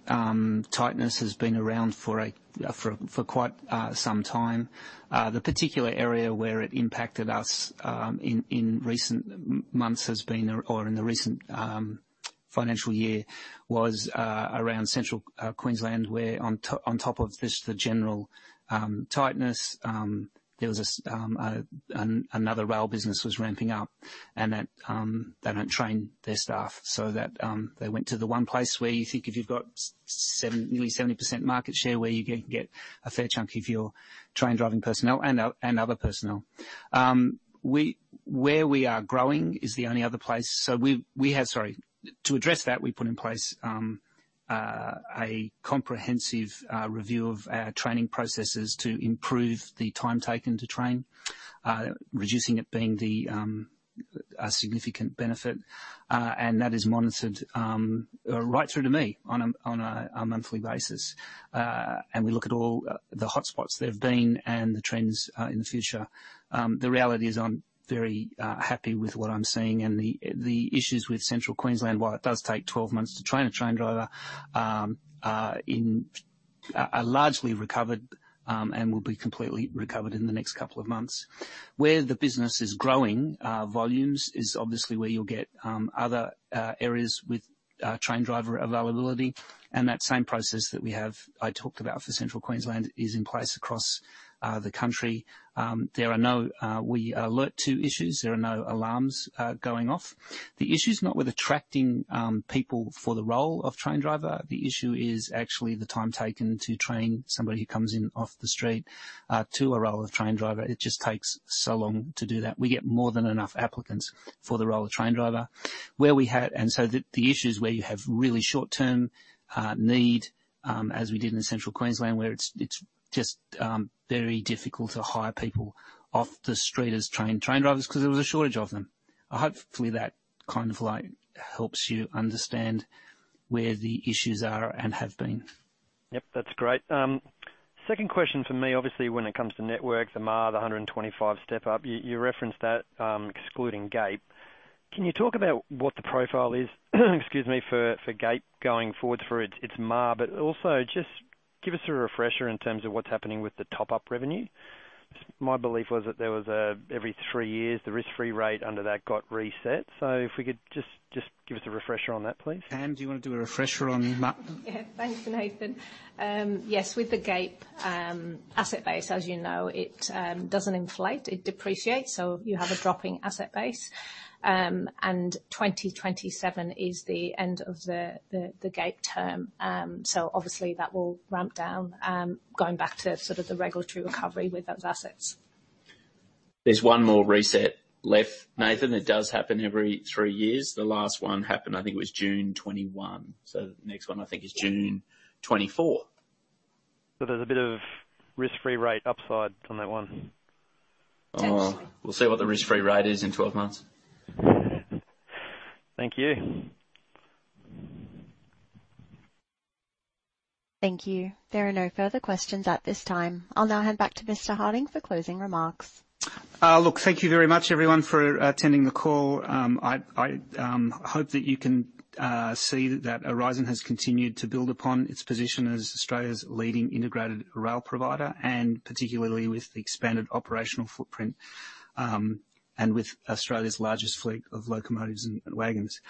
tightness has been around for a for for quite some time. The particular area where it impacted us in recent months has been, or in the recent financial year, was around Central Queensland, where on top, on top of just the general tightness, there was another rail business was ramping up, and that they don't train their staff, so that they went to the one place where you think if you've got seven, nearly 70% market share, where you get, get a fair chunk of your train driving personnel and other personnel. We, where we are growing is the only other place... We, we have. Sorry. To address that, we put in place a comprehensive review of our training processes to improve the time taken to train, reducing it being a significant benefit, and that is monitored right through to me on a monthly basis. We look at all the hotspots there have been and the trends in the future. The reality is, I'm very happy with what I'm seeing, and the issues with Central Queensland, while it does take 12 months to train a train driver, are largely recovered and will be completely recovered in the next couple of months. Where the business is growing, volumes is obviously where you'll get other areas with train driver availability. That same process that we have, I talked about for Central Queensland, is in place across the country. There are no, we are alert to issues. There are no alarms going off. The issue is not with attracting people for the role of train driver. The issue is actually the time taken to train somebody who comes in off the street to a role of train driver. It just takes so long to do that. We get more than enough applicants for the role of train driver. The, the issue is where you have really short-term need, as we did in Central Queensland, where it's, it's just very difficult to hire people off the street as trained train drivers because there was a shortage of them. Hopefully that kind of like helps you understand where the issues are and have been. Yep, that's great. Second question for me. Obviously, when it comes to networks, the MAR, the 125 step up, you, you referenced that, excluding GAPE. Can you talk about what the profile is, excuse me, for GAPE going forward for its MAR, but also just give us a refresher in terms of what's happening with the top-up revenue? My belief was that there was every three years, the risk-free rate under that got reset. If we could just give us a refresher on that, please. Anna, do you want to do a refresher on MAR? Yeah, thanks, Nathan. Yes, with the GAPE asset base, as you know, it doesn't inflate, it depreciates, so you have a dropping asset base. 2027 is the end of the, the, the GAPE term. Obviously that will ramp down, going back to sort of the regulatory recovery with those assets. There's one more reset left, Nathan. It does happen every three years. The last one happened, I think it was June 2021, so the next one, I think is June 2024. There's a bit of risk-free rate upside on that one? Potentially. We'll see what the risk-free rate is in 12 months. Thank you. Thank you. There are no further questions at this time. I'll now hand back to Mr. Harding for closing remarks. Look, thank you very much, everyone, for attending the call. I, I, hope that you can, see that Aurizon has continued to build upon its position as Australia's leading integrated rail provider, and particularly with the expanded operational footprint, and with Australia's largest fleet of locomotives and wagons.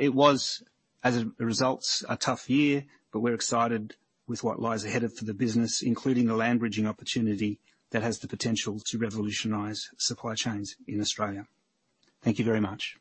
It was, as a, the results, a tough year, but we're excited with what lies ahead of for the business, including the land bridging opportunity that has the potential to revolutionize supply chains in Australia. Thank you very much!